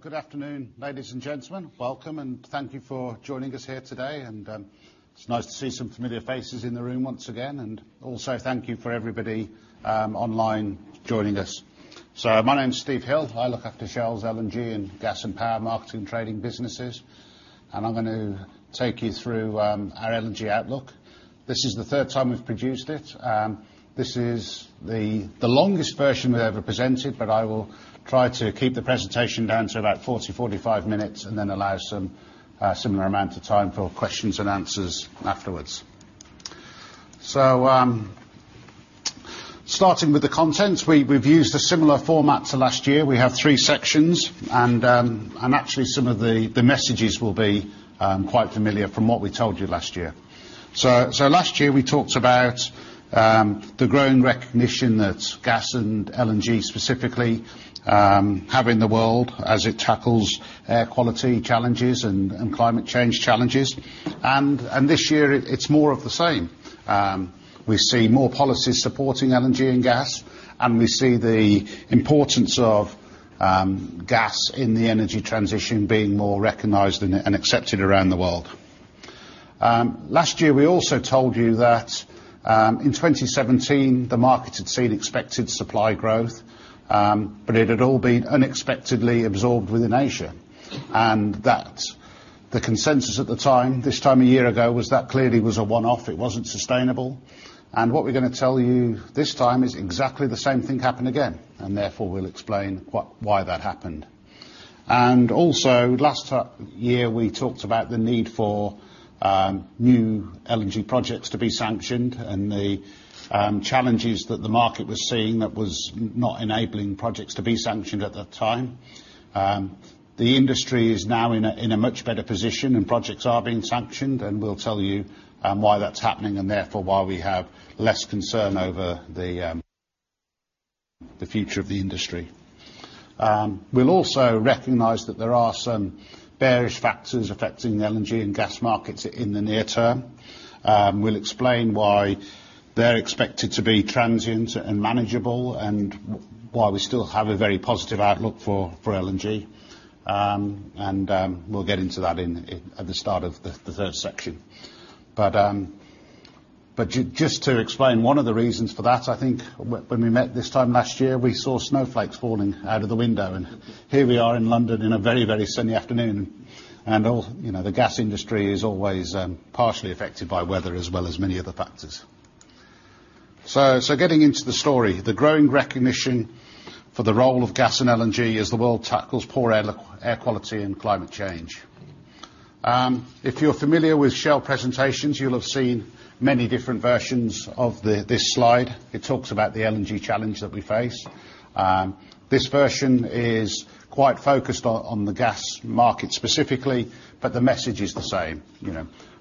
Good afternoon, ladies and gentlemen. Welcome and thank you for joining us here today, and it's nice to see some familiar faces in the room once again, and also thank you for everybody online joining us. My name's Steve Hill. I look after Shell's LNG and gas and power marketing trading businesses, and I'm going to take you through our LNG outlook. This is the third time we've produced it. This is the longest version we've ever presented, but I will try to keep the presentation down to about 40-45 minutes and then allow some similar amount of time for questions and answers afterwards. Starting with the contents, we've used a similar format to last year. We have three sections and actually some of the messages will be quite familiar from what we told you last year. Last year we talked about the growing recognition that gas and LNG specifically have in the world as it tackles air quality challenges and climate change challenges. This year it's more of the same. We see more policies supporting LNG and gas, and we see the importance of gas in the energy transition being more recognized and accepted around the world. Last year we also told you that in 2017 the market had seen expected supply growth, but it had all been unexpectedly absorbed within Asia and that the consensus at the time, this time a year ago, was that clearly was a one-off. It wasn't sustainable. What we're going to tell you this time is exactly the same thing happened again, and therefore we'll explain why that happened. Also last year we talked about the need for new LNG projects to be sanctioned and the challenges that the market was seeing that was not enabling projects to be sanctioned at that time. The industry is now in a much better position and projects are being sanctioned and we'll tell you why that's happening and therefore why we have less concern over the future of the industry. We'll also recognize that there are some bearish factors affecting the LNG and gas markets in the near term. We'll explain why they're expected to be transient and manageable and why we still have a very positive outlook for LNG. We'll get into that at the start of the third section. Just to explain one of the reasons for that, I think when we met this time last year, we saw snowflakes falling out of the window and here we are in London in a very sunny afternoon and the gas industry is always partially affected by weather as well as many other factors. Getting into the story, the growing recognition for the role of gas and LNG as the world tackles poor air quality and climate change. If you're familiar with Shell presentations, you'll have seen many different versions of this slide. It talks about the LNG challenge that we face. This version is quite focused on the gas market specifically, but the message is the same.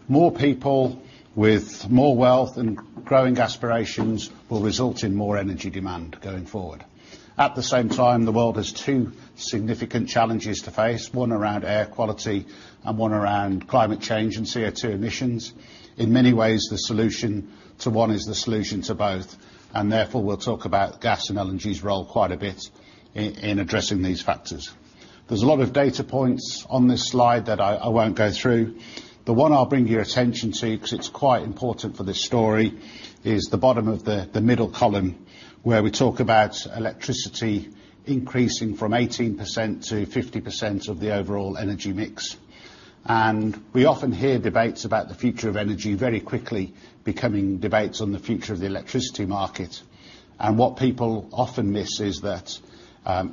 More people with more wealth and growing aspirations will result in more energy demand going forward. At the same time, the world has two significant challenges to face, one around air quality and one around climate change and CO2 emissions. Therefore, we'll talk about gas and LNG's role quite a bit in addressing these factors. There's a lot of data points on this slide that I won't go through. The one I'll bring your attention to, because it's quite important for this story, is the bottom of the middle column where we talk about electricity increasing from 18%-50% of the overall energy mix. We often hear debates about the future of energy very quickly becoming debates on the future of the electricity market. What people often miss is that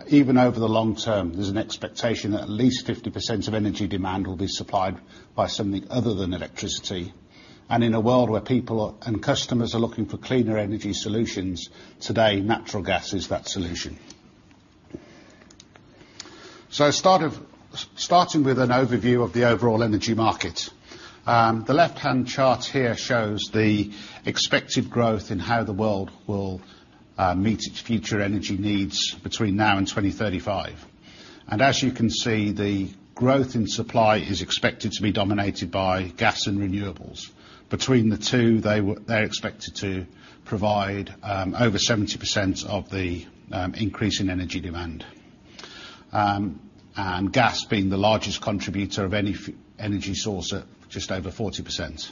even over the long term, there's an expectation that at least 50% of energy demand will be supplied by something other than electricity. In a world where people and customers are looking for cleaner energy solutions, today natural gas is that solution. Starting with an overview of the overall energy market. The left-hand chart here shows the expected growth in how the world will meet its future energy needs between now and 2035. As you can see, the growth in supply is expected to be dominated by gas and renewables. Between the two, they are expected to provide over 70% of the increase in energy demand. Gas being the largest contributor of any energy source at just over 40%.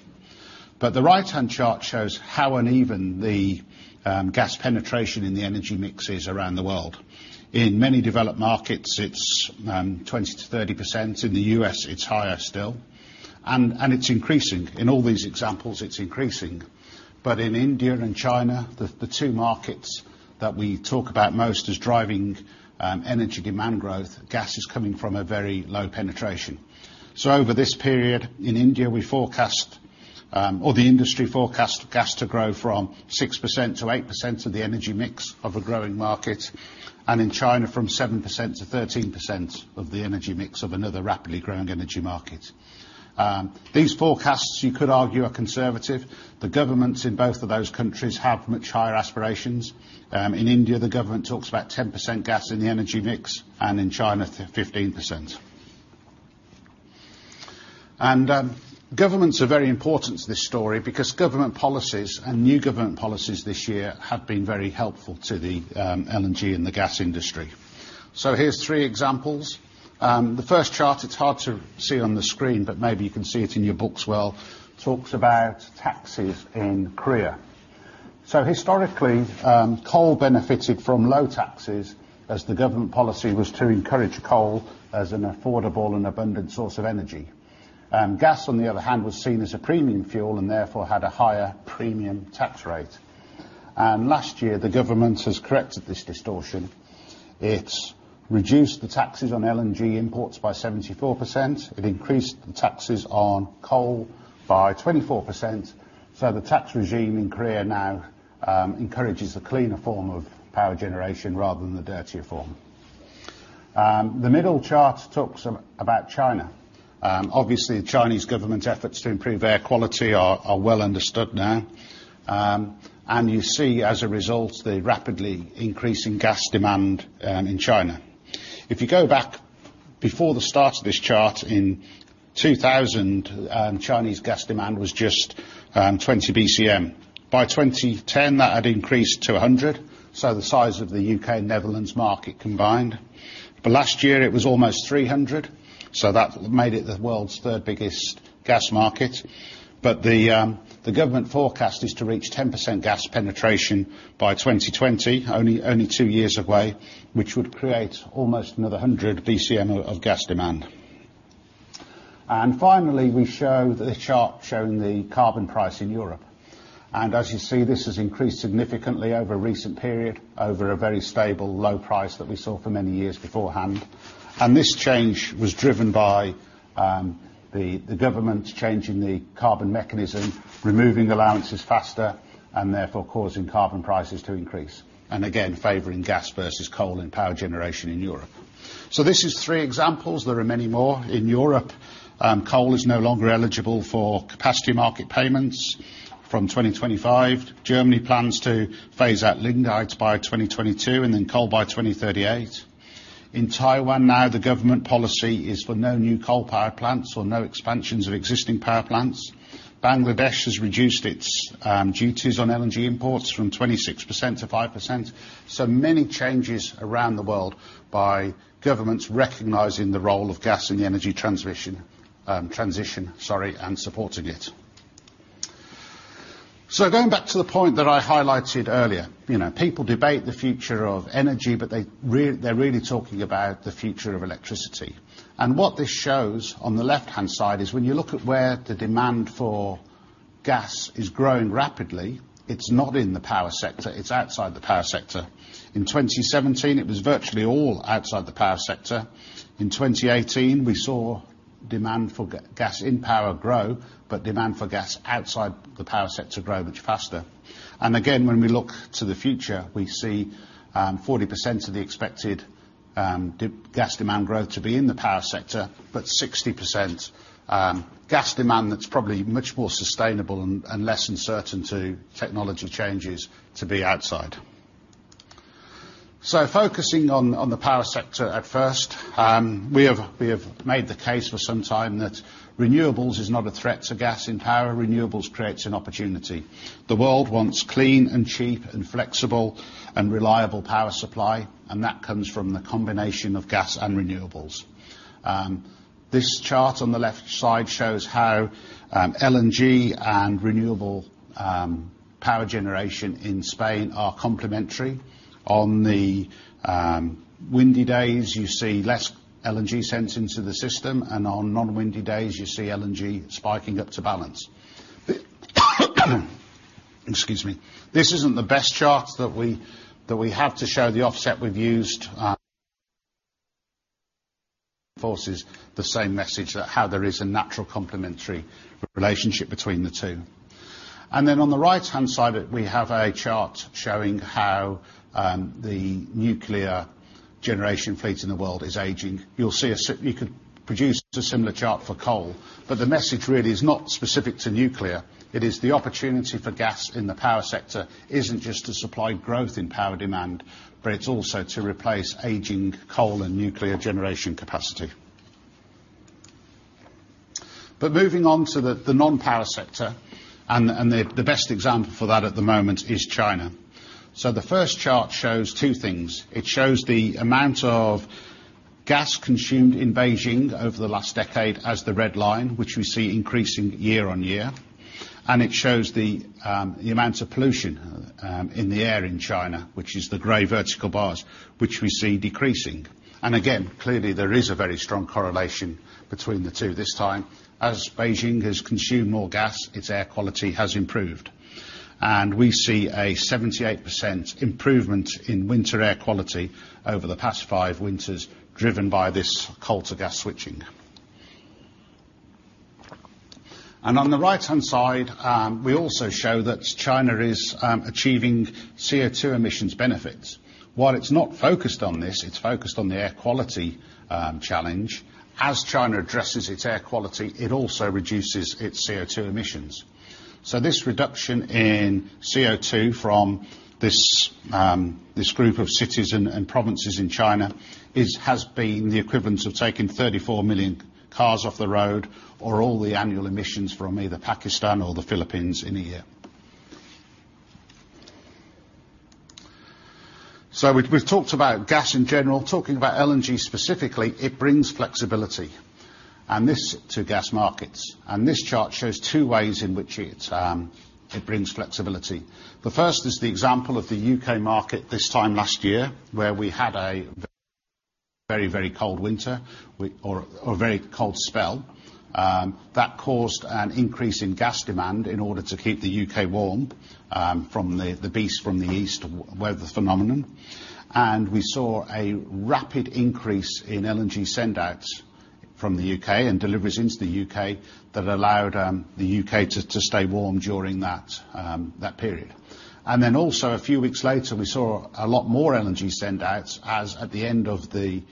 The right-hand chart shows how uneven the gas penetration in the energy mix is around the world. In many developed markets it's 20%-30%. In the U.S. it's higher still. It's increasing. In all these examples it's increasing. In India and in China, the two markets that we talk about most as driving energy demand growth, gas is coming from a very low penetration. Over this period in India we forecast, or the industry forecast gas to grow from 6%-8% of the energy mix of a growing market, and in China from 7%-13% of the energy mix of another rapidly growing energy market. These forecasts you could argue are conservative. The governments in both of those countries have much higher aspirations. In India the government talks about 10% gas in the energy mix and in China 15%. Governments are very important to this story because government policies and new government policies this year have been very helpful to the LNG and the gas industry. Here's three examples. The first chart, it's hard to see on the screen, but maybe you can see it in your books well, talks about taxes in Korea. Historically, coal benefited from low taxes as the government policy was to encourage coal as an affordable and abundant source of energy. Gas, on the other hand, was seen as a premium fuel, and therefore had a higher premium tax rate. Last year, the government has corrected this distortion. It reduced the taxes on LNG imports by 74%. It increased the taxes on coal by 24%. The tax regime in Korea now encourages a cleaner form of power generation rather than the dirtier form. The middle chart talks about China. Obviously, the Chinese government efforts to improve air quality are well understood now. You see as a result, the rapidly increasing gas demand in China. If you go back before the start of this chart in 2000, Chinese gas demand was just 20 BCM. By 2010, that had increased to 100 BCM, so the size of the U.K. and Netherlands market combined. Last year it was almost 300 BCM, so that made it the world's third biggest gas market. The government forecast is to reach 10% gas penetration by 2020, only two years away, which would create almost another 100 BCM of gas demand. Finally, we show the chart showing the carbon price in Europe. As you see, this has increased significantly over a recent period, over a very stable low price that we saw for many years beforehand. This change was driven by the government changing the carbon mechanism, removing allowances faster, and therefore causing carbon prices to increase, and again, favoring gas versus coal and power generation in Europe. This is three examples. There are many more in Europe. Coal is no longer eligible for capacity market payments from 2025. Germany plans to phase out lignites by 2022, and then coal by 2038. In Taiwan now, the government policy is for no new coal power plants or no expansions of existing power plants. Bangladesh has reduced its duties on LNG imports from 26%-5%. Many changes around the world by governments recognizing the role of gas in the energy transmission, transition, sorry, and supporting it. Going back to the point that I highlighted earlier. People debate the future of energy, but they're really talking about the future of electricity. What this shows on the left-hand side is when you look at where the demand for gas is growing rapidly, it's not in the power sector. It's outside the power sector. In 2017, it was virtually all outside the power sector. In 2018, we saw demand for gas in power grow, but demand for gas outside the power sector grow much faster. Again, when we look to the future, we see 40% of the expected gas demand growth to be in the power sector, but 60% gas demand that's probably much more sustainable and less uncertain to technology changes to be outside. Focusing on the power sector at first. We have made the case for some time that renewables is not a threat to gas in power. Renewables creates an opportunity. The world wants clean and cheap and flexible and reliable power supply, that comes from the combination of gas and renewables. This chart on the left side shows how LNG and renewable power generation in Spain are complementary. On the windy days, you see less LNG sent into the system, on non-windy days, you see LNG spiking up to balance. Excuse me. This isn't the best chart that we have to show the offset we've used forces the same message that how there is a natural complementary relationship between the two. Then on the right-hand side, we have a chart showing how the nuclear generation fleet in the world is aging. You could produce a similar chart for coal, but the message really is not specific to nuclear. It is the opportunity for gas in the power sector isn't just to supply growth in power demand, it's also to replace aging coal and nuclear generation capacity. Moving on to the non-power sector, the best example for that at the moment is China. The first chart shows two things. It shows the amount of gas consumed in Beijing over the last decade as the red line, which we see increasing year-on-year. It shows the amount of pollution in the air in China, which is the gray vertical bars, which we see decreasing. Again, clearly there is a very strong correlation between the two this time. As Beijing has consumed more gas, its air quality has improved. We see a 78% improvement in winter air quality over the past five winters driven by this coal-to-gas switching. On the right-hand side, we also show that China is achieving CO2 emissions benefits. While it's not focused on this, it's focused on the air quality challenge. As China addresses its air quality, it also reduces its CO2 emissions. This reduction in CO2 from this group of cities and provinces in China has been the equivalent of taking 34 million cars off the road or all the annual emissions from either Pakistan or the Philippines in a year. We've talked about gas in general. Talking about LNG specifically, it brings flexibility to gas markets. This chart shows two ways in which it brings flexibility. The first is the example of the U.K. market this time last year, where we had a very cold winter or a very cold spell that caused an increase in gas demand in order to keep the U.K. warm from the Beast from the East weather phenomenon. We saw a rapid increase in LNG sendouts from the U.K. and deliveries into the U.K. that allowed the U.K. to stay warm during that period. Then also a few weeks later, we saw a lot more LNG sendouts as at the end of the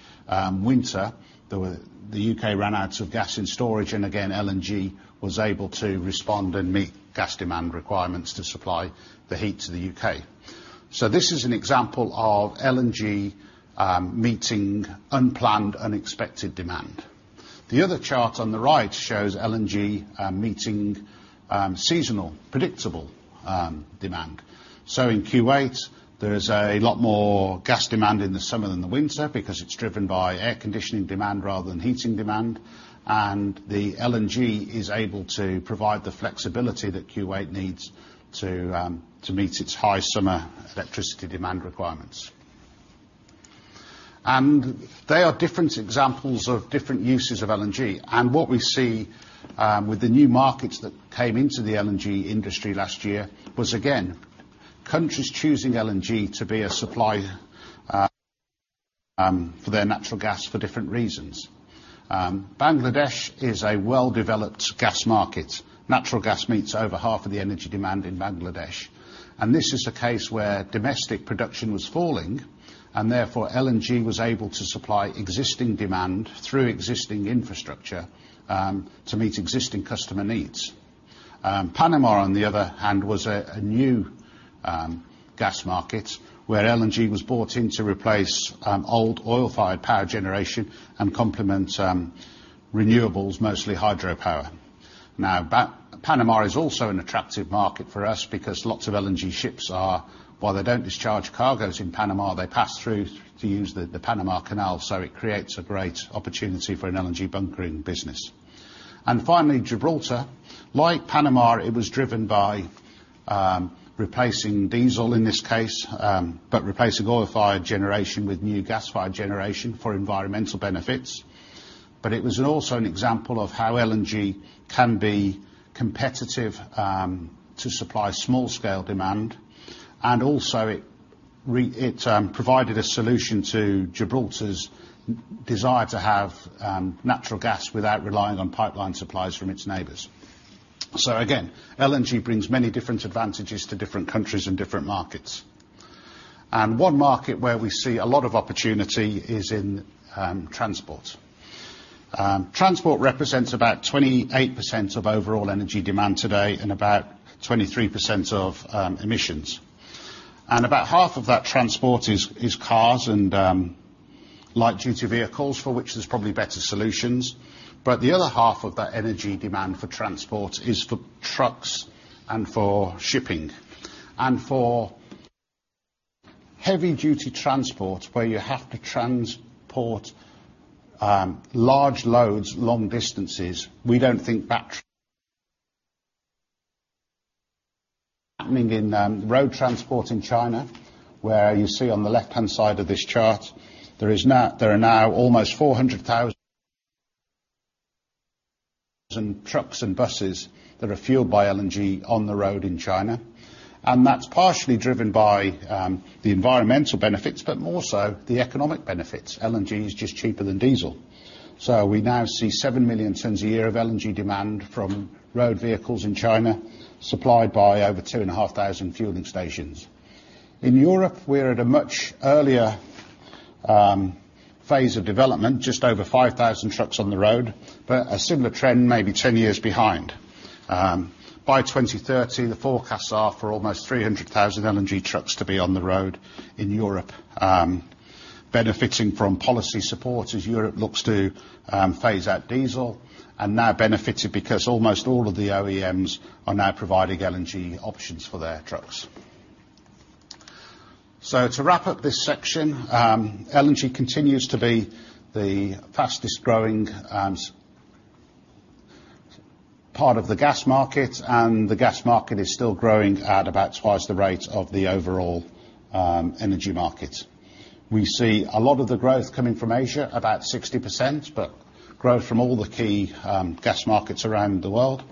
winter, the U.K. ran out of gas and storage, and again, LNG was able to respond and meet gas demand requirements to supply the heat to the U.K. This is an example of LNG meeting unplanned, unexpected demand. The other chart on the right shows LNG meeting seasonal, predictable demand. In Kuwait, there is a lot more gas demand in the summer than the winter because it's driven by air conditioning demand rather than heating demand. The LNG is able to provide the flexibility that Kuwait needs to meet its high summer electricity demand requirements. They are different examples of different uses of LNG. What we see with the new markets that came into the LNG industry last year was, again, countries choosing LNG to be a supply for their natural gas for different reasons. Bangladesh is a well-developed gas market. Natural gas meets over half of the energy demand in Bangladesh. This is a case where domestic production was falling, and therefore LNG was able to supply existing demand through existing infrastructure to meet existing customer needs. Panama, on the other hand, was a new gas market where LNG was bought in to replace old oil-fired power generation and complement renewables, mostly hydropower. Panama is also an attractive market for us because lots of LNG ships are, while they don't discharge cargos in Panama, they pass through to use the Panama Canal. It creates a great opportunity for an LNG bunkering business. Finally, Gibraltar. Like Panama, it was driven by replacing diesel in this case, but replacing oil-fired generation with new gas-fired generation for environmental benefits. It was also an example of how LNG can be competitive to supply small-scale demand, and it provided a solution to Gibraltar's desire to have natural gas without relying on pipeline supplies from its neighbors. Again, LNG brings many different advantages to different countries and different markets. One market where we see a lot of opportunity is in transport. Transport represents about 28% of overall energy demand today and about 23% of emissions. About half of that transport is cars and light-duty vehicles for which there's probably better solutions. The other half of that energy demand for transport is for trucks and for shipping. For heavy-duty transport, where you have to transport large loads long distances, we don't think batter happening in road transport in China, where you see on the left-hand side of this chart, there are now almost 400,000 trucks and buses that are fueled by LNG on the road in China. That's partially driven by the environmental benefits, but more so the economic benefits. LNG is just cheaper than diesel. We now see 7 million tons a year of LNG demand from road vehicles in China, supplied by over 2,500 fueling stations. In Europe, we're at a much earlier phase of development, just over 5,000 trucks on the road, but a similar trend may be 10 years behind. By 2030, the forecasts are for almost 300,000 LNG trucks to be on the road in Europe, benefiting from policy support as Europe looks to phase out diesel, and now benefiting because almost all of the OEMs are now providing LNG options for their trucks. To wrap up this section, LNG continues to be the fastest-growing part of the gas market, and the gas market is still growing at about twice the rate of the overall energy market. We see a lot of the growth coming from Asia, about 60%, but growth from all the key gas markets around the world.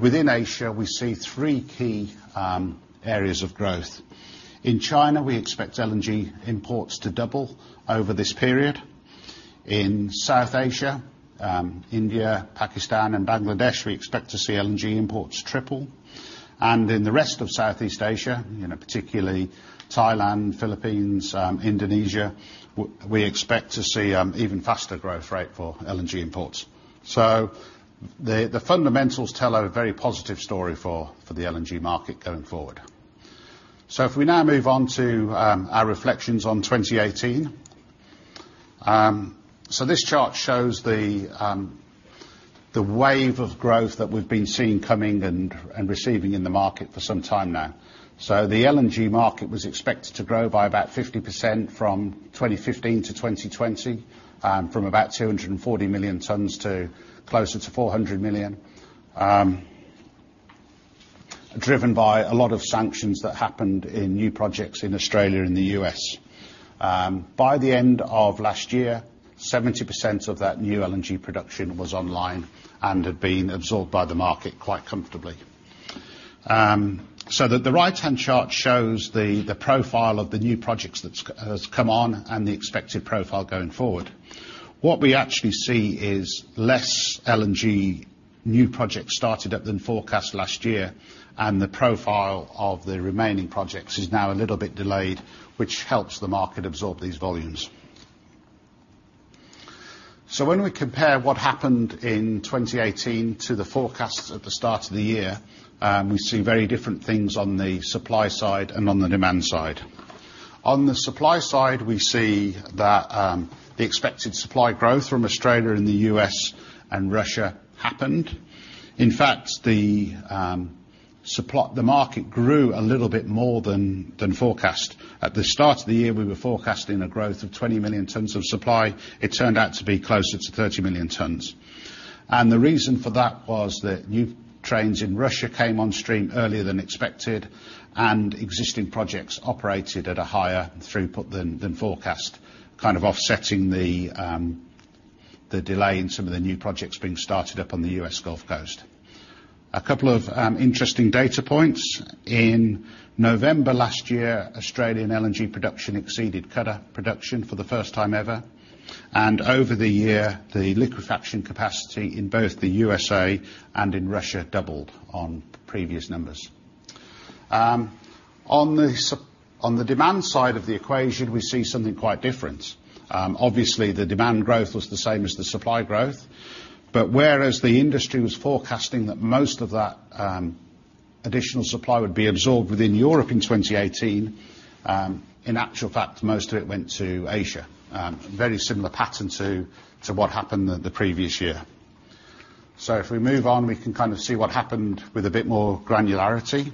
Within Asia, we see three key areas of growth. In China, we expect LNG imports to double over this period. In South Asia, India, Pakistan and Bangladesh, we expect to see LNG imports triple. In the rest of Southeast Asia, particularly Thailand, Philippines, Indonesia, we expect to see even faster growth rate for LNG imports. The fundamentals tell a very positive story for the LNG market going forward. If we now move on to our reflections on 2018. This chart shows the wave of growth that we've been seeing coming and receiving in the market for some time now. The LNG market was expected to grow by about 50% from 2015 to 2020, from about 240 million tons to closer to 400 million. Driven by a lot of sanctions that happened in new projects in Australia and the U.S. By the end of last year, 70% of that new LNG production was online and had been absorbed by the market quite comfortably. The right-hand chart shows the profile of the new projects that has come on and the expected profile going forward. What we actually see is less LNG new projects started up than forecast last year, and the profile of the remaining projects is now a little bit delayed, which helps the market absorb these volumes. When we compare what happened in 2018 to the forecasts at the start of the year, we see very different things on the supply side and on the demand side. On the supply side, we see that the expected supply growth from Australia and the U.S. and Russia happened. In fact, the market grew a little bit more than forecast. At the start of the year, we were forecasting a growth of 20 million tons of supply. It turned out to be closer to 30 million tons. The reason for that was that new trains in Russia came on stream earlier than expected, and existing projects operated at a higher throughput than forecast, kind of offsetting the delay in some of the new projects being started up on the U.S. Gulf Coast. A couple of interesting data points. In November last year, Australian LNG production exceeded Qatar production for the first time ever. Over the year, the liquefaction capacity in both the USA and in Russia doubled on previous numbers. On the demand side of the equation, we see something quite different. Obviously, the demand growth was the same as the supply growth, but whereas the industry was forecasting that most of that additional supply would be absorbed within Europe in 2018, in actual fact, most of it went to Asia. Very similar pattern to what happened the previous year. If we move on, we can kind of see what happened with a bit more granularity.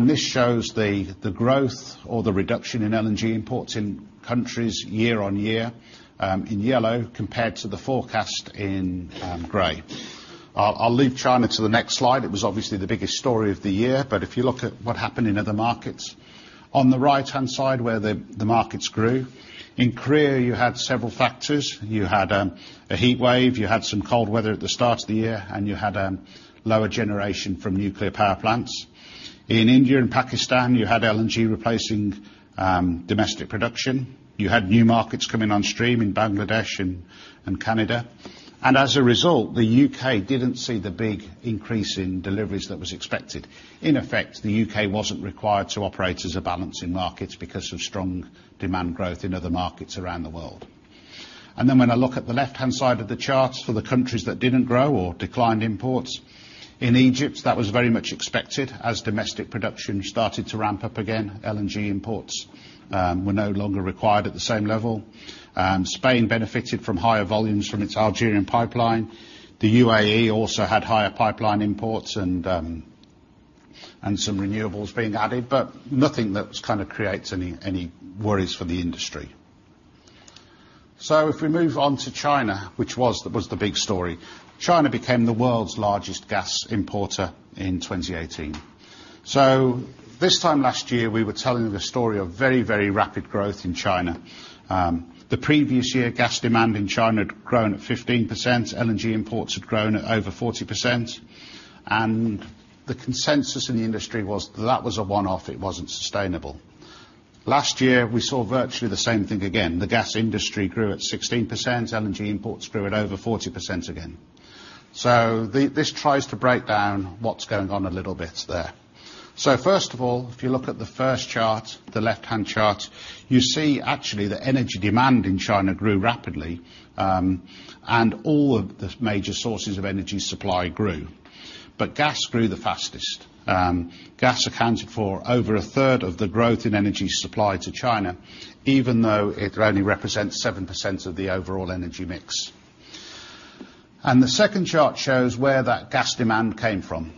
This shows the growth or the reduction in LNG imports in countries year-on-year in yellow, compared to the forecast in gray. I'll leave China to the next slide. It was obviously the biggest story of the year, if you look at what happened in other markets, on the right-hand side where the markets grew. In Korea, you had several factors. You had a heat wave, you had some cold weather at the start of the year, and you had lower generation from nuclear power plants. In India and Pakistan, you had LNG replacing domestic production. You had new markets coming on stream in Bangladesh and Canada. As a result, the U.K. didn't see the big increase in deliveries that was expected. In effect, the U.K. wasn't required to operate as a balance in markets because of strong demand growth in other markets around the world. Then when I look at the left-hand side of the charts for the countries that didn't grow or declined imports, in Egypt, that was very much expected. As domestic production started to ramp up again, LNG imports were no longer required at the same level. Spain benefited from higher volumes from its Algerian pipeline. The UAE also had higher pipeline imports and some renewables being added, but nothing that kind of creates any worries for the industry. If we move on to China, which was the big story. China became the world's largest gas importer in 2018. This time last year, we were telling the story of very rapid growth in China. The previous year, gas demand in China had grown at 15%, LNG imports had grown at over 40%, and the consensus in the industry was that was a one-off, it wasn't sustainable. Last year, we saw virtually the same thing again. The gas industry grew at 16%, LNG imports grew at over 40% again. This tries to break down what's going on a little bit there. First of all, if you look at the first chart, the left-hand chart, you see actually that energy demand in China grew rapidly, and all of the major sources of energy supply grew. Gas grew the fastest. Gas accounted for over a third of the growth in energy supply to China, even though it only represents 7% of the overall energy mix. The second chart shows where that gas demand came from.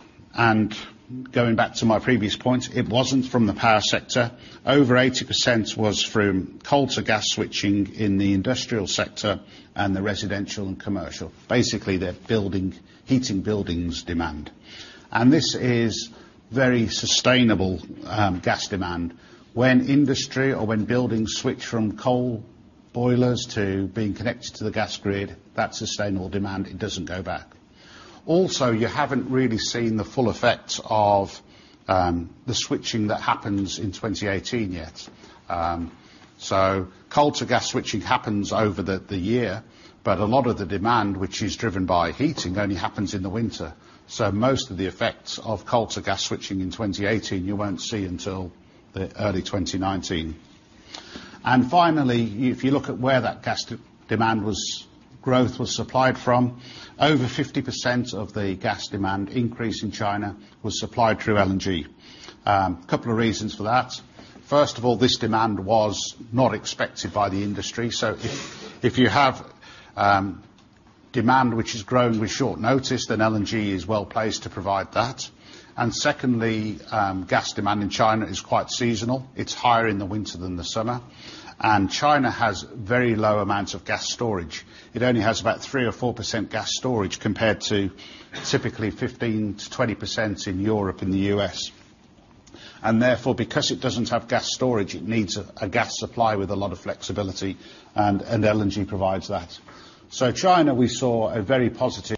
Going back to my previous point, it wasn't from the power sector. Over 80% was from coal-to-gas switching in the industrial sector and the residential and commercial. Basically, the heating buildings demand. This is very sustainable gas demand. When industry or when buildings switch from coal boilers to being connected to the gas grid, that's sustainable demand. It doesn't go back. Also, you haven't really seen the full effect of the switching that happens in 2018 yet. Coal-to-gas switching happens over the year, but a lot of the demand, which is driven by heating, only happens in the winter. Most of the effects of coal-to-gas switching in 2018 you won't see until early 2019. Finally, if you look at where that gas demand growth was supplied from, over 50% of the gas demand increase in China was supplied through LNG. Couple of reasons for that. First of all, this demand was not expected by the industry. If you have demand which has grown with short notice, then LNG is well-placed to provide that. Secondly, gas demand in China is quite seasonal. It's higher in the winter than the summer. China has very low amounts of gas storage. It only has about 3% or 4% gas storage, compared to typically 15%-20% in Europe and the U.S. Therefore, because it doesn't have gas storage, it needs a gas supply with a lot of flexibility, and LNG provides that. China, we saw a very positive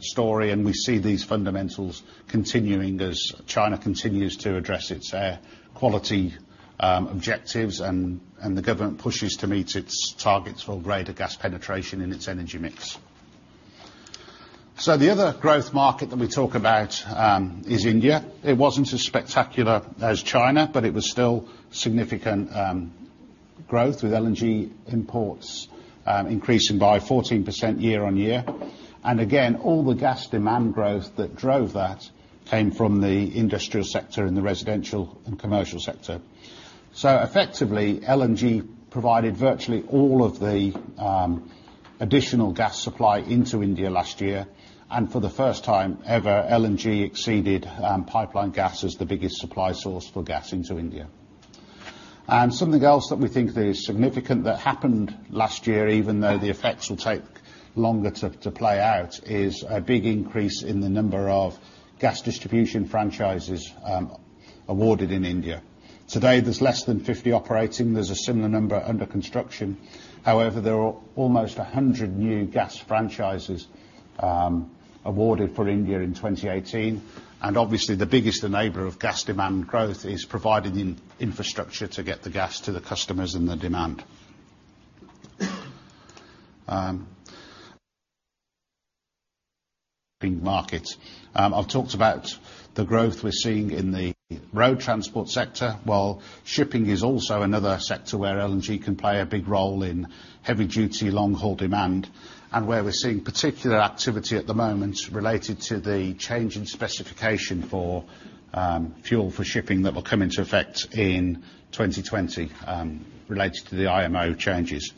story, and we see these fundamentals continuing as China continues to address its air quality objectives and the government pushes to meet its targets for greater gas penetration in its energy mix. The other growth market that we talk about is India. It wasn't as spectacular as China, but it was still significant growth, with LNG imports increasing by 14% year-on-year. Again, all the gas demand growth that drove that came from the industrial sector and the residential and commercial sector. Effectively, LNG provided virtually all of the additional gas supply into India last year. For the first time ever, LNG exceeded pipeline gas as the biggest supply source for gas into India. Something else that we think is significant that happened last year, even though the effects will take longer to play out, is a big increase in the number of gas distribution franchises awarded in India. Today, there's less than 50 operating. There's a similar number under construction. However, there are almost 100 new gas franchises awarded for India in 2018. Obviously, the biggest enabler of gas demand growth is providing the infrastructure to get the gas to the customers and the demand. Big markets. I've talked about the growth we're seeing in the road transport sector. Shipping is also another sector where LNG can play a big role in heavy-duty, long-haul demand, and where we're seeing particular activity at the moment related to the change in specification for fuel for shipping that will come into effect in 2020 related to the IMO changes.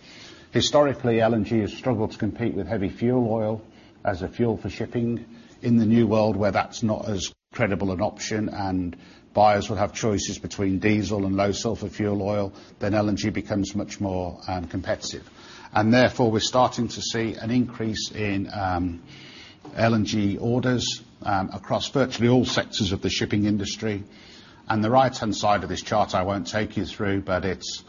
Historically, LNG has struggled to compete with heavy fuel oil as a fuel for shipping. In the new world where that's not as credible an option and buyers will have choices between diesel and low sulfur fuel oil, then LNG becomes much more competitive. Therefore, we're starting to see an increase in LNG orders across virtually all sectors of the shipping industry. The right-hand side of this chart, I won't take you through, but it's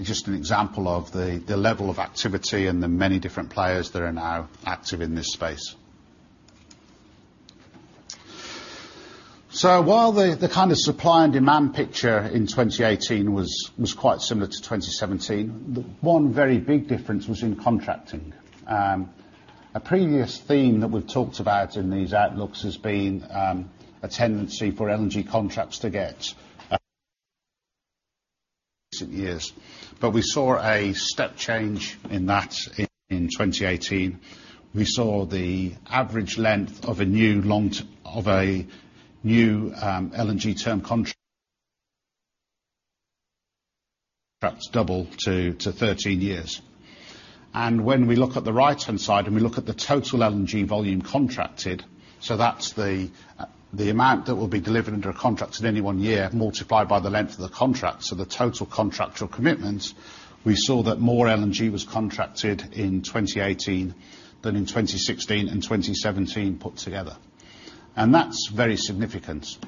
just an example of the level of activity and the many different players that are now active in this space. While the supply and demand picture in 2018 was quite similar to 2017, one very big difference was in contracting. A previous theme that we've talked about in these outlooks has been a tendency for LNG contracts to get recent years. We saw a step change in that in 2018. We saw the average length of a new LNG term contract double to 13 years. When we look at the right-hand side and we look at the total LNG volume contracted, so that's the amount that will be delivered under a contract in any one year multiplied by the length of the contract, so the total contractual commitment, we saw that more LNG was contracted in 2018 than in 2016 and 2017 put together. That's very significant.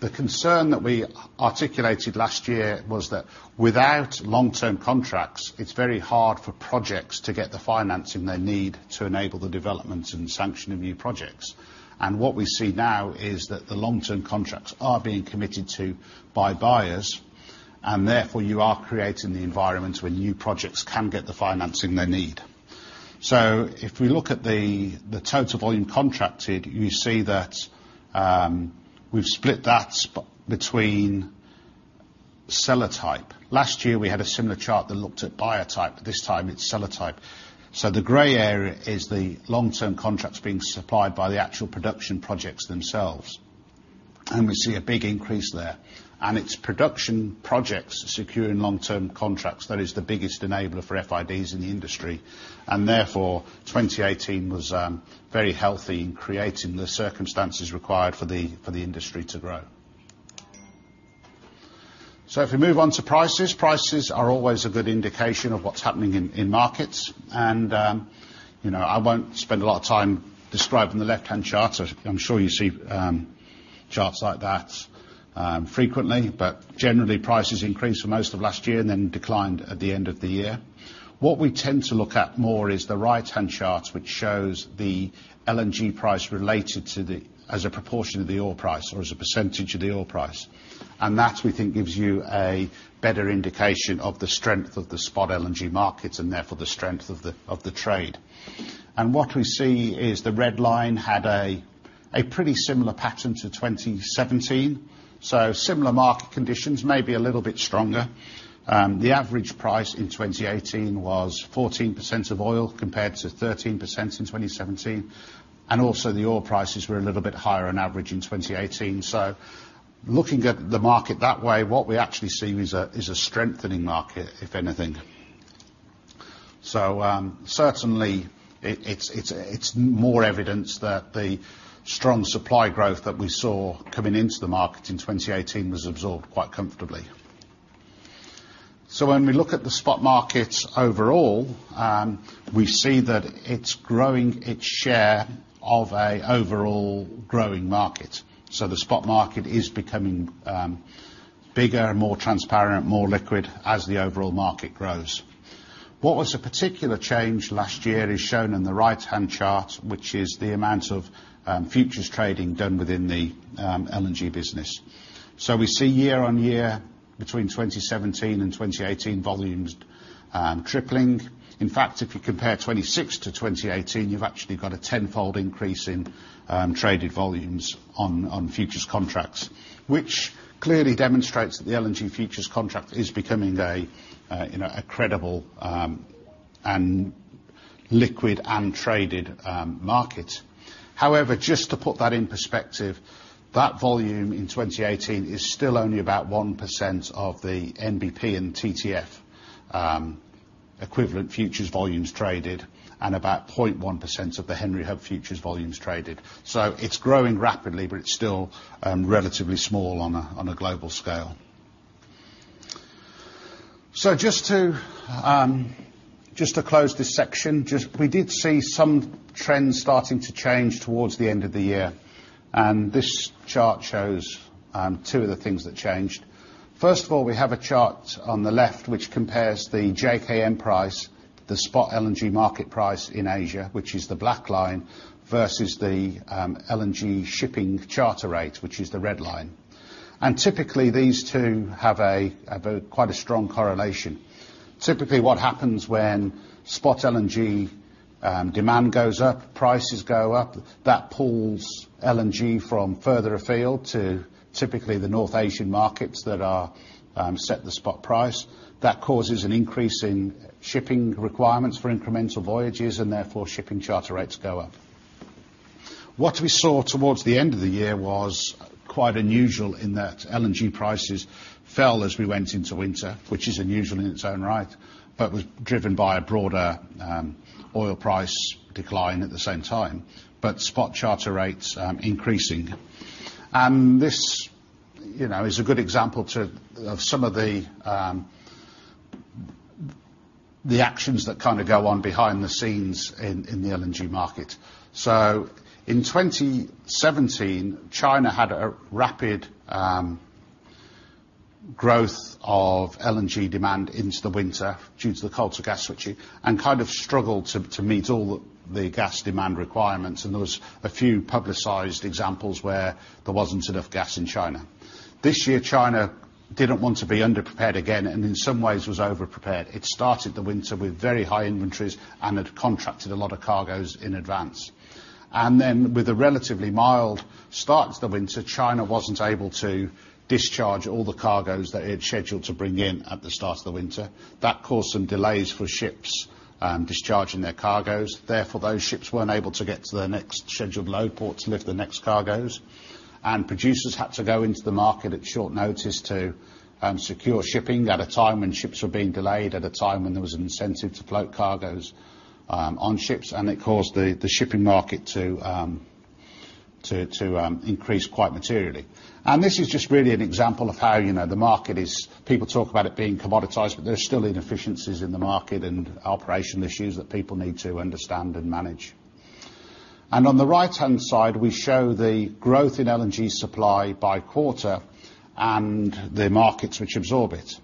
The concern that we articulated last year was that without long-term contracts, it's very hard for projects to get the financing they need to enable the development and sanction of new projects. What we see now is that the long-term contracts are being committed to by buyers, therefore, you are creating the environment where new projects can get the financing they need. If we look at the total volume contracted, you see that we've split that between seller type. Last year, we had a similar chart that looked at buyer type. This time, it's seller type. The gray area is the long-term contracts being supplied by the actual production projects themselves. We see a big increase there. It's production projects securing long-term contracts that is the biggest enabler for FIDs in the industry. Therefore, 2018 was very healthy in creating the circumstances required for the industry to grow. If we move on to prices are always a good indication of what's happening in markets. I won't spend a lot of time describing the left-hand chart. I'm sure you see charts like that frequently. Generally, prices increased for most of last year and then declined at the end of the year. What we tend to look at more is the right-hand chart, which shows the LNG price related as a proportion of the oil price or as a percentage of the oil price. That, we think, gives you a better indication of the strength of the spot LNG markets and therefore the strength of the trade. What we see is the red line had a pretty similar pattern to 2017. Similar market conditions, maybe a little bit stronger. The average price in 2018 was 14% of oil, compared to 13% in 2017. Also the oil prices were a little bit higher on average in 2018. Looking at the market that way, what we actually see is a strengthening market, if anything. Certainly, it's more evidence that the strong supply growth that we saw coming into the market in 2018 was absorbed quite comfortably. When we look at the spot markets overall, we see that it's growing its share of an overall growing market. The spot market is becoming bigger and more transparent, more liquid as the overall market grows. What was a particular change last year is shown in the right-hand chart, which is the amount of futures trading done within the LNG business. We see year-on-year, between 2017 and 2018, volumes tripling. In fact, if you compare 2016 to 2018, you've actually got a tenfold increase in traded volumes on futures contracts, which clearly demonstrates that the LNG futures contract is becoming a credible and liquid and traded market. However, just to put that in perspective, that volume in 2018 is still only about 1% of the NBP and TTF equivalent futures volumes traded, and about 0.1% of the Henry Hub futures volumes traded. It's growing rapidly, but it's still relatively small on a global scale. Just to close this section, we did see some trends starting to change towards the end of the year, and this chart shows two of the things that changed. First of all, we have a chart on the left which compares the JKM price, the spot LNG market price in Asia, which is the black line, versus the LNG shipping charter rate, which is the red line. Typically, these two have quite a strong correlation. Typically, what happens when spot LNG demand goes up, prices go up. That pulls LNG from further afield to typically the North Asian markets that set the spot price. That causes an increase in shipping requirements for incremental voyages and therefore shipping charter rates go up. What we saw towards the end of the year was quite unusual in that LNG prices fell as we went into winter, which is unusual in its own right, but was driven by a broader oil price decline at the same time, but spot charter rates increasing. This is a good example of some of the actions that go on behind the scenes in the LNG market. In 2017, China had a rapid growth of LNG demand into the winter due to the coal-to-gas switching, and struggled to meet all the gas demand requirements. There were a few publicized examples where there wasn't enough gas in China. This year, China didn't want to be underprepared again, and in some ways was overprepared. It started the winter with very high inventories and had contracted a lot of cargoes in advance. With a relatively mild start to the winter, China wasn't able to discharge all the cargoes that it had scheduled to bring in at the start of the winter. That caused some delays for ships discharging their cargoes. Therefore, those ships weren't able to get to their next scheduled load port to lift the next cargoes. Producers had to go into the market at short notice to secure shipping at a time when ships were being delayed, at a time when there was an incentive to float cargoes on ships. It caused the shipping market to increase quite materially. This is just really an example of how the market is. People talk about it being commoditized, but there are still inefficiencies in the market and operation issues that people need to understand and manage. On the right-hand side, we show the growth in LNG supply by quarter and the markets which absorb it.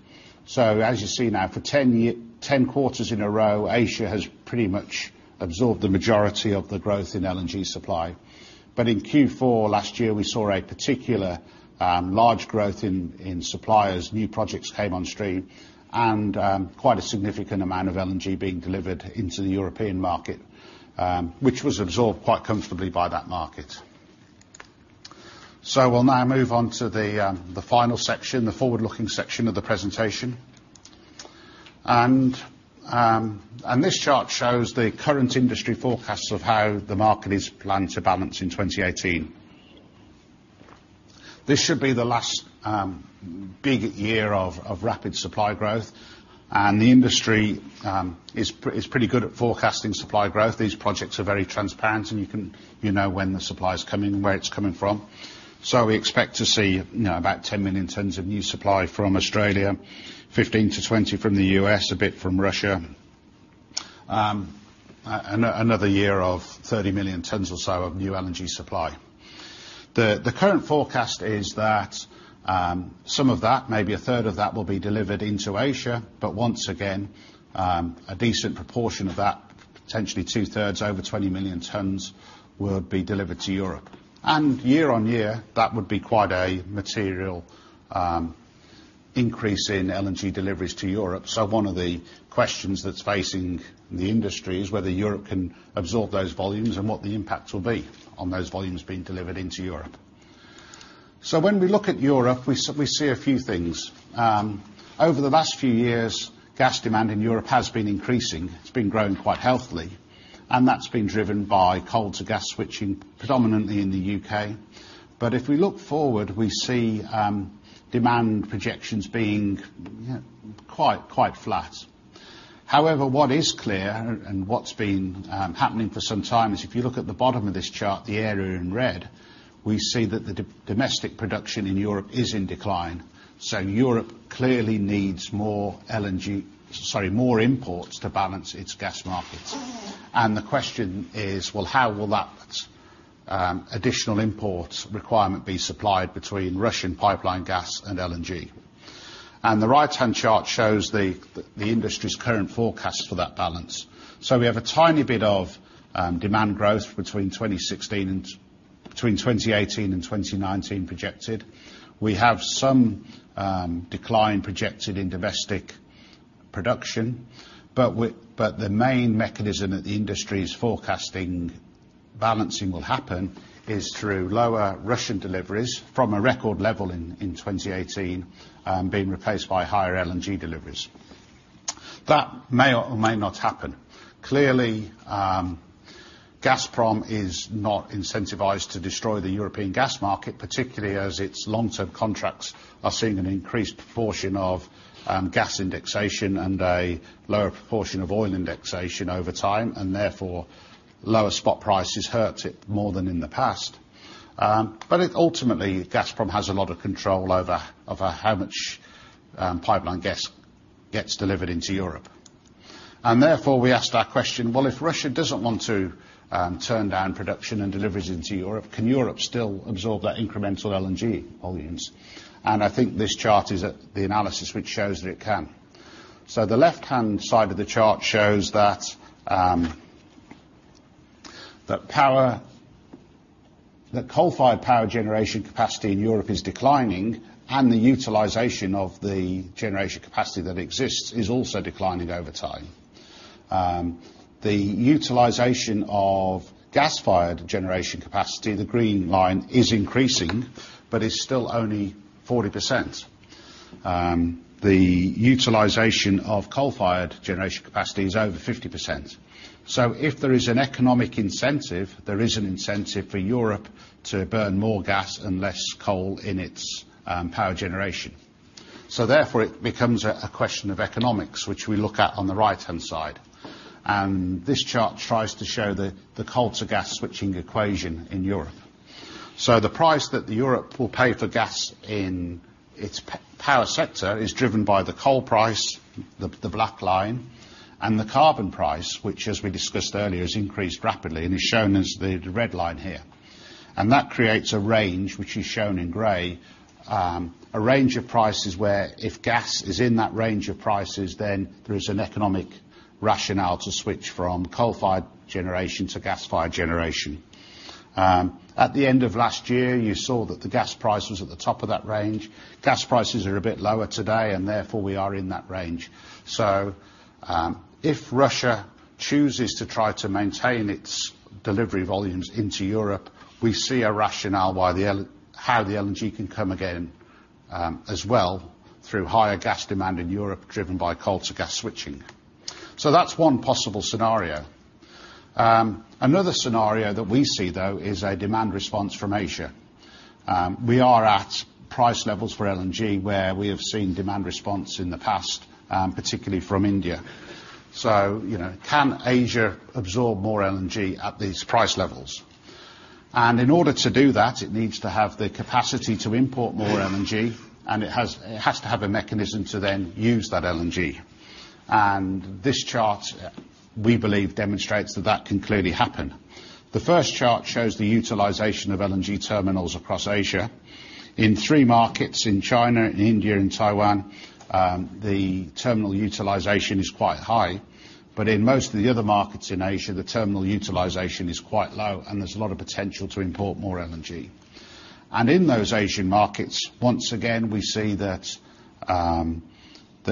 As you see now, for 10 quarters in a row, Asia has pretty much absorbed the majority of the growth in LNG supply. In Q4 last year, we saw a particular large growth in suppliers. New projects came on stream and quite a significant amount of LNG being delivered into the European market, which was absorbed quite comfortably by that market. We'll now move on to the final section, the forward-looking section of the presentation. This chart shows the current industry forecasts of how the market is planned to balance in 2018. This should be the last big year of rapid supply growth. The industry is pretty good at forecasting supply growth. These projects are very transparent and you know when the supply is coming and where it's coming from. We expect to see about 10 million tons of new supply from Australia, 15%-20% from the U.S., a bit from Russia. Another year of 30 million tons or so of new LNG supply. The current forecast is that some of that, maybe a third of that, will be delivered into Asia. Once again, a decent proportion of that, potentially two-thirds, over 20 million tons, will be delivered to Europe. Year-on-year, that would be quite a material increase in LNG deliveries to Europe. One of the questions that's facing the industry is whether Europe can absorb those volumes and what the impact will be on those volumes being delivered into Europe. When we look at Europe, we see a few things. Over the last few years, gas demand in Europe has been increasing. It's been growing quite healthily, and that's been driven by coal-to-gas switching predominantly in the U.K. If we look forward, we see demand projections being quite flat. However, what is clear and what's been happening for some time is if you look at the bottom of this chart, the area in red, we see that the domestic production in Europe is in decline. Europe clearly needs more imports to balance its gas markets. The question is, how will that additional imports requirement be supplied between Russian pipeline gas and LNG? The right-hand chart shows the industry's current forecast for that balance. We have a tiny bit of demand growth between 2018 and 2019 projected. We have some decline projected in domestic production. The main mechanism that the industry is forecasting balancing will happen is through lower Russian deliveries from a record level in 2018, being replaced by higher LNG deliveries. That may or may not happen. Clearly, Gazprom is not incentivized to destroy the European gas market, particularly as its long-term contracts are seeing an increased proportion of gas indexation and a lower proportion of oil indexation over time. Therefore, lower spot prices hurt it more than in the past. Ultimately, Gazprom has a lot of control over how much pipeline gas gets delivered into Europe. Therefore, we asked that question, well, if Russia doesn't want to turn down production and deliveries into Europe, can Europe still absorb that incremental LNG volumes? I think this chart is the analysis which shows that it can. The left-hand side of the chart shows that coal-fired power generation capacity in Europe is declining, and the utilization of the generation capacity that exists is also declining over time. The utilization of gas-fired generation capacity, the green line, is increasing, but is still only 40%. The utilization of coal-fired generation capacity is over 50%. If there is an economic incentive, there is an incentive for Europe to burn more gas and less coal in its power generation. Therefore, it becomes a question of economics, which we look at on the right-hand side. This chart tries to show the coal-to-gas switching equation in Europe. The price that the Europe will pay for gas in its power sector is driven by the coal price, the black line, and the carbon price, which as we discussed earlier, has increased rapidly and is shown as the red line here. That creates a range, which is shown in gray. A range of prices where if gas is in that range of prices, then there is an economic rationale to switch from coal-fired generation to gas-fired generation. At the end of last year, you saw that the gas price was at the top of that range. Gas prices are a bit lower today. Therefore, we are in that range. If Russia chooses to try to maintain its delivery volumes into Europe, we see a rationale how the LNG can come again as well through higher gas demand in Europe driven by coal-to-gas switching. That's one possible scenario. Another scenario that we see, though, is a demand response from Asia. We are at price levels for LNG where we have seen demand response in the past, particularly from India. Can Asia absorb more LNG at these price levels? In order to do that, it needs to have the capacity to import more LNG, and it has to have a mechanism to then use that LNG. This chart, we believe, demonstrates that that can clearly happen. The first chart shows the utilization of LNG terminals across Asia. In three markets in China, India, and Taiwan, the terminal utilization is quite high. In most of the other markets in Asia, the terminal utilization is quite low and there's a lot of potential to import more LNG. In those Asian markets, once again, we see that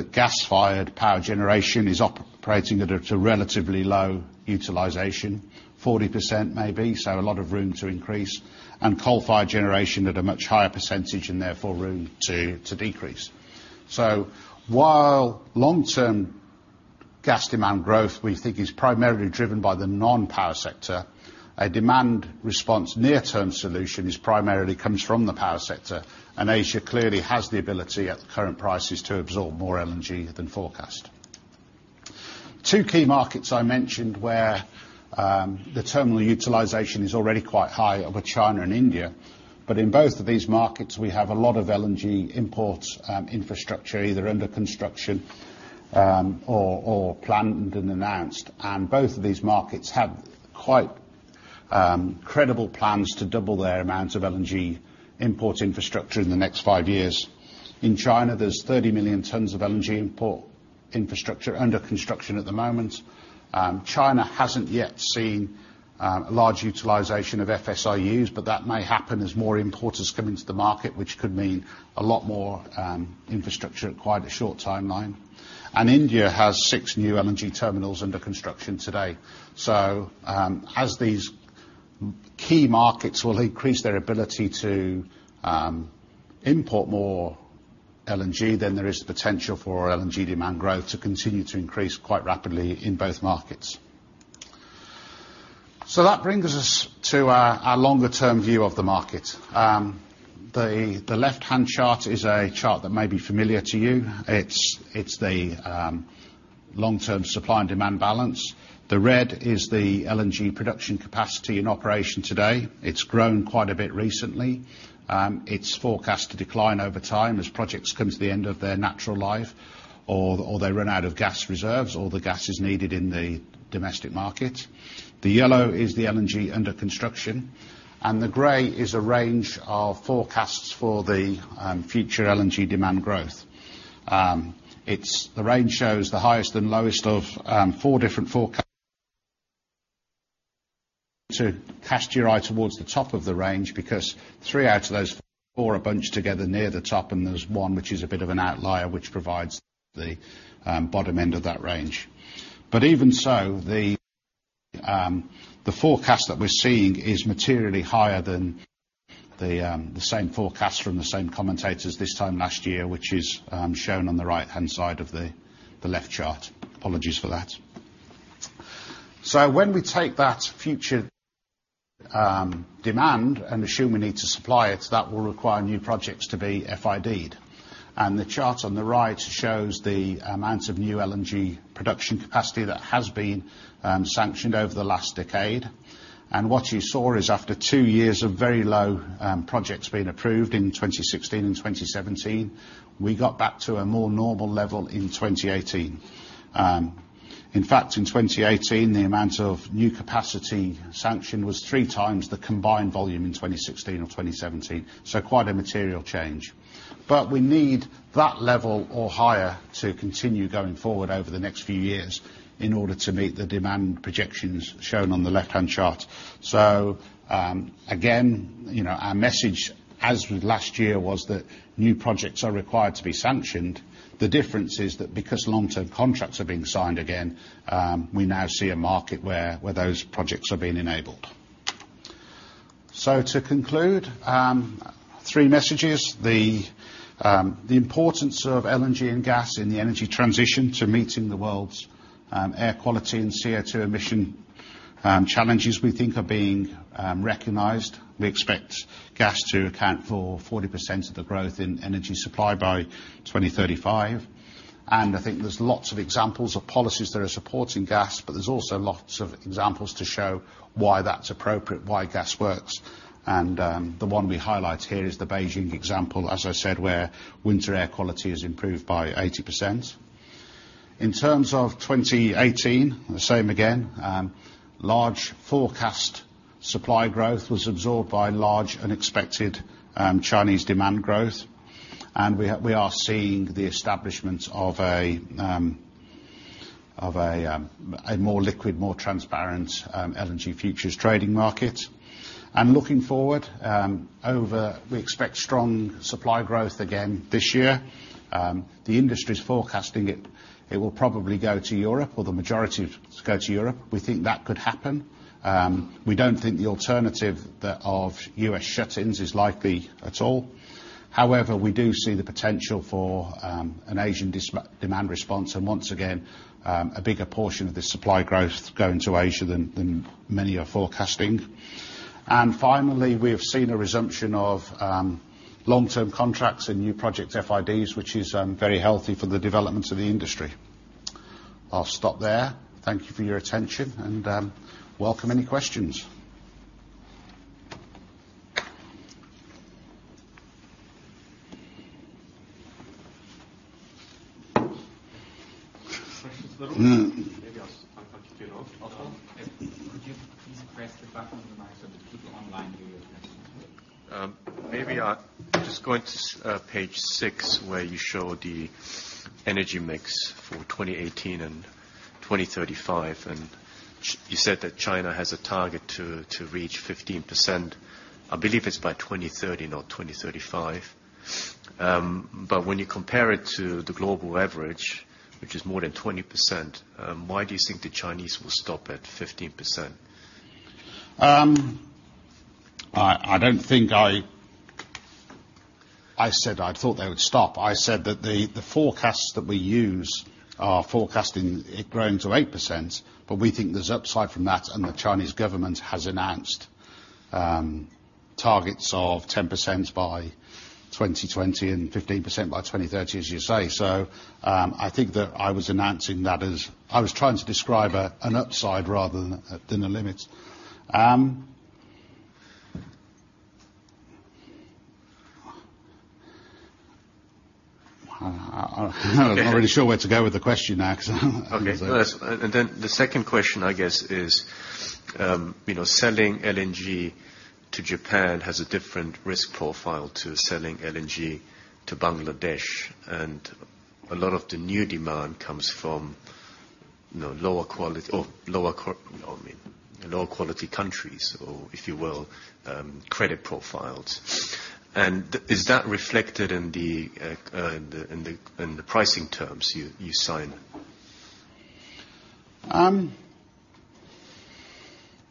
gas-fired power generation is operating at a relatively low utilization, 40% maybe, so a lot of room to increase. Coal-fired generation at a much higher percentage, and therefore, room to decrease. While long-term gas demand growth, we think is primarily driven by the non-power sector, a demand response near-term solution is primarily comes from the power sector. Asia clearly has the ability at the current prices to absorb more LNG than forecast. Two key markets I mentioned where the terminal utilization is already quite high are with China and India. In both of these markets, we have a lot of LNG import infrastructure either under construction or planned and announced. Both of these markets have quite credible plans to double their amount of LNG import infrastructure in the next five years. In China, there's 30 million tons of LNG import infrastructure under construction at the moment. China hasn't yet seen a large utilization of FSRUs, but that may happen as more importers come into the market, which could mean a lot more infrastructure in quite a short timeline. India has six new LNG terminals under construction today. As these key markets will increase their ability to import more LNG, there is the potential for LNG demand growth to continue to increase quite rapidly in both markets. That brings us to our longer-term view of the market. The left-hand chart is a chart that may be familiar to you. It's the long-term supply and demand balance. The red is the LNG production capacity in operation today. It's grown quite a bit recently. It's forecast to decline over time as projects come to the end of their natural life or they run out of gas reserves or the gas is needed in the domestic market. The yellow is the LNG under construction. The gray is a range of forecasts for the future LNG demand growth. The range shows the highest and lowest of four different forecasts. To cast your eye towards the top of the range, because three out of those four are bunched together near the top, and there's one which is a bit of an outlier, which provides the bottom end of that range. Even so, the forecast that we're seeing is materially higher than the same forecast from the same commentators this time last year, which is shown on the right-hand side of the left chart. Apologies for that. When we take that future demand and assume we need to supply it, that will require new projects to be FID'd. The chart on the right shows the amount of new LNG production capacity that has been sanctioned over the last decade. What you saw is after two years of very low projects being approved in 2016 and 2017, we got back to a more normal level in 2018. In fact, in 2018, the amount of new capacity sanctioned was three times the combined volume in 2016 or 2017. Quite a material change. We need that level or higher to continue going forward over the next few years in order to meet the demand projections shown on the left-hand chart. Again, our message as with last year was that new projects are required to be sanctioned. The difference is that because long-term contracts are being signed again, we now see a market where those projects are being enabled. To conclude, three messages. The importance of LNG and gas in the energy transition to meeting the world's air quality and CO2 emission challenges we think are being recognized. We expect gas to account for 40% of the growth in energy supply by 2035. I think there's lots of examples of policies that are supporting gas, but there's also lots of examples to show why that's appropriate, why gas works, and the one we highlight here is the Beijing example, as I said, where winter air quality is improved by 80%. In terms of 2018, the same again. Large forecast supply growth was absorbed by large unexpected Chinese demand growth. We are seeing the establishment of a more liquid, more transparent LNG futures trading market. Looking forward, we expect strong supply growth again this year. The industry's forecasting it will probably go to Europe, or the majority go to Europe. We think that could happen. We don't think the alternative of U.S. shut-ins is likely at all. However, we do see the potential for an Asian demand response. Once again, a bigger portion of the supply growth going to Asia than many are forecasting. Finally, we have seen a resumption of long-term contracts and new project FIDs, which is very healthy for the development of the industry. I'll stop there. Thank you for your attention and welcome any questions. Questions at all? Maybe I'll start off. Could you please press the button on the mic so that people online can hear your question? Maybe just going to page six where you show the energy mix for 2018 and 2035. You said that China has a target to reach 15%. I believe it's by 2030, not 2035. When you compare it to the global average, which is more than 20%, why do you think the Chinese will stop at 15%? I don't think I said I thought they would stop. I said that the forecasts that we use are forecasting it growing to 8%, but we think there's upside from that, and the Chinese Government has announced targets of 10% by 2020 and 15% by 2030, as you say. I think that I was announcing that as I was trying to describe an upside rather than the limits. I'm not really sure where to go with the question next. Okay. The second question, I guess is, selling LNG to Japan has a different risk profile to selling LNG to Bangladesh, and a lot of the new demand comes from lower quality countries, or if you will, credit profiles. Is that reflected in the pricing terms you sign?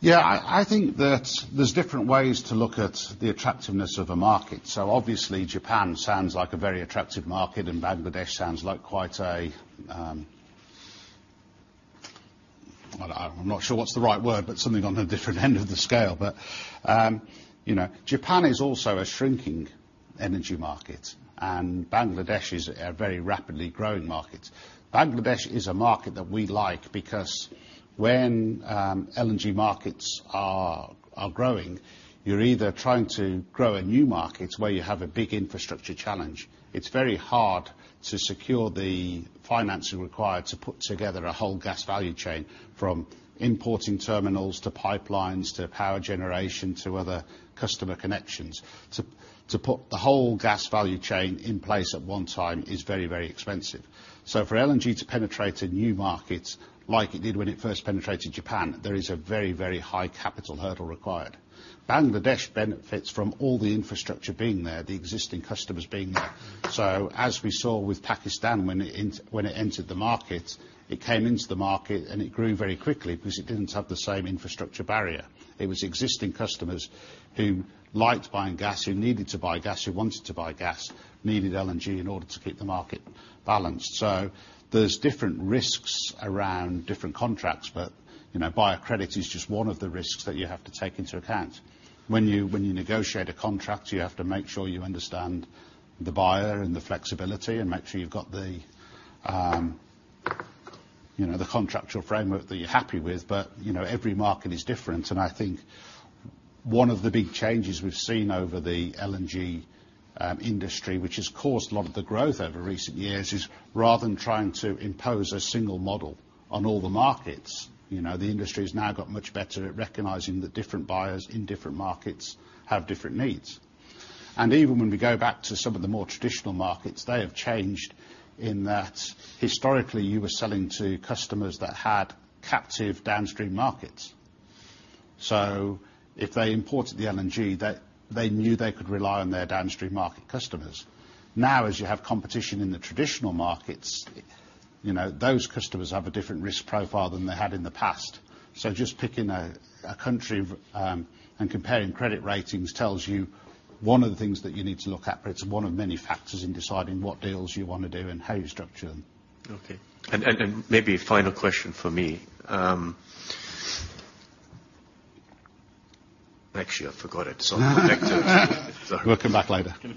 Yeah. I think that there's different ways to look at the attractiveness of a market. Obviously, Japan sounds like a very attractive market, and Bangladesh sounds like quite a I'm not sure what's the right word, but something on the different end of the scale. Japan is also a shrinking energy market, and Bangladesh is a very rapidly growing market. Bangladesh is a market that we like because when LNG markets are growing, you're either trying to grow a new market where you have a big infrastructure challenge. It's very hard to secure the financing required to put together a whole gas value chain, from importing terminals, to pipelines, to power generation, to other customer connections. To put the whole gas value chain in place at one time is very, very expensive. For LNG to penetrate a new market, like it did when it first penetrated Japan, there is a very, very high capital hurdle required. Bangladesh benefits from all the infrastructure being there, the existing customers being there. As we saw with Pakistan, when it entered the market, it came into the market, and it grew very quickly because it didn't have the same infrastructure barrier. It was existing customers who liked buying gas, who needed to buy gas, who wanted to buy gas, needed LNG in order to keep the market balanced. There's different risks around different contracts, but buyer credit is just one of the risks that you have to take into account. When you negotiate a contract, you have to make sure you understand the buyer and the flexibility and make sure you've got the contractual framework that you're happy with. Every market is different. I think one of the big changes we've seen over the LNG industry, which has caused a lot of the growth over recent years, is rather than trying to impose a single model on all the markets, the industry has now got much better at recognizing that different buyers in different markets have different needs. Even when we go back to some of the more traditional markets, they have changed in that historically you were selling to customers that had captive downstream markets. If they imported the LNG, they knew they could rely on their downstream market customers. As you have competition in the traditional markets, those customers have a different risk profile than they had in the past. Just picking a country and comparing credit ratings tells you one of the things that you need to look at, but it's one of many factors in deciding what deals you want to do and how you structure them. Okay. Maybe a final question from me. Actually, I forgot it. Sorry. We'll come back later. Can you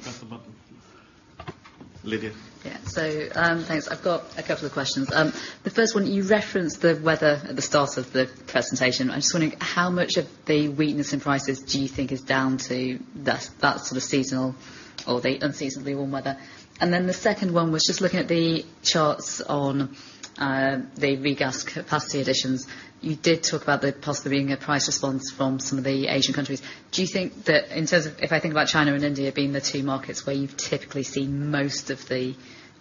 press the button, please? Lydia. Thanks. I've got a couple of questions. The first one, you referenced the weather at the start of the presentation. I'm just wondering, how much of the weakness in prices do you think is down to that sort of seasonal or the unseasonably warm weather? The second one was just looking at the charts on the regasification capacity additions. You did talk about there possibly being a price response from some of the Asian countries. Do you think that in terms of if I think about China and India being the two markets where you've typically seen most of the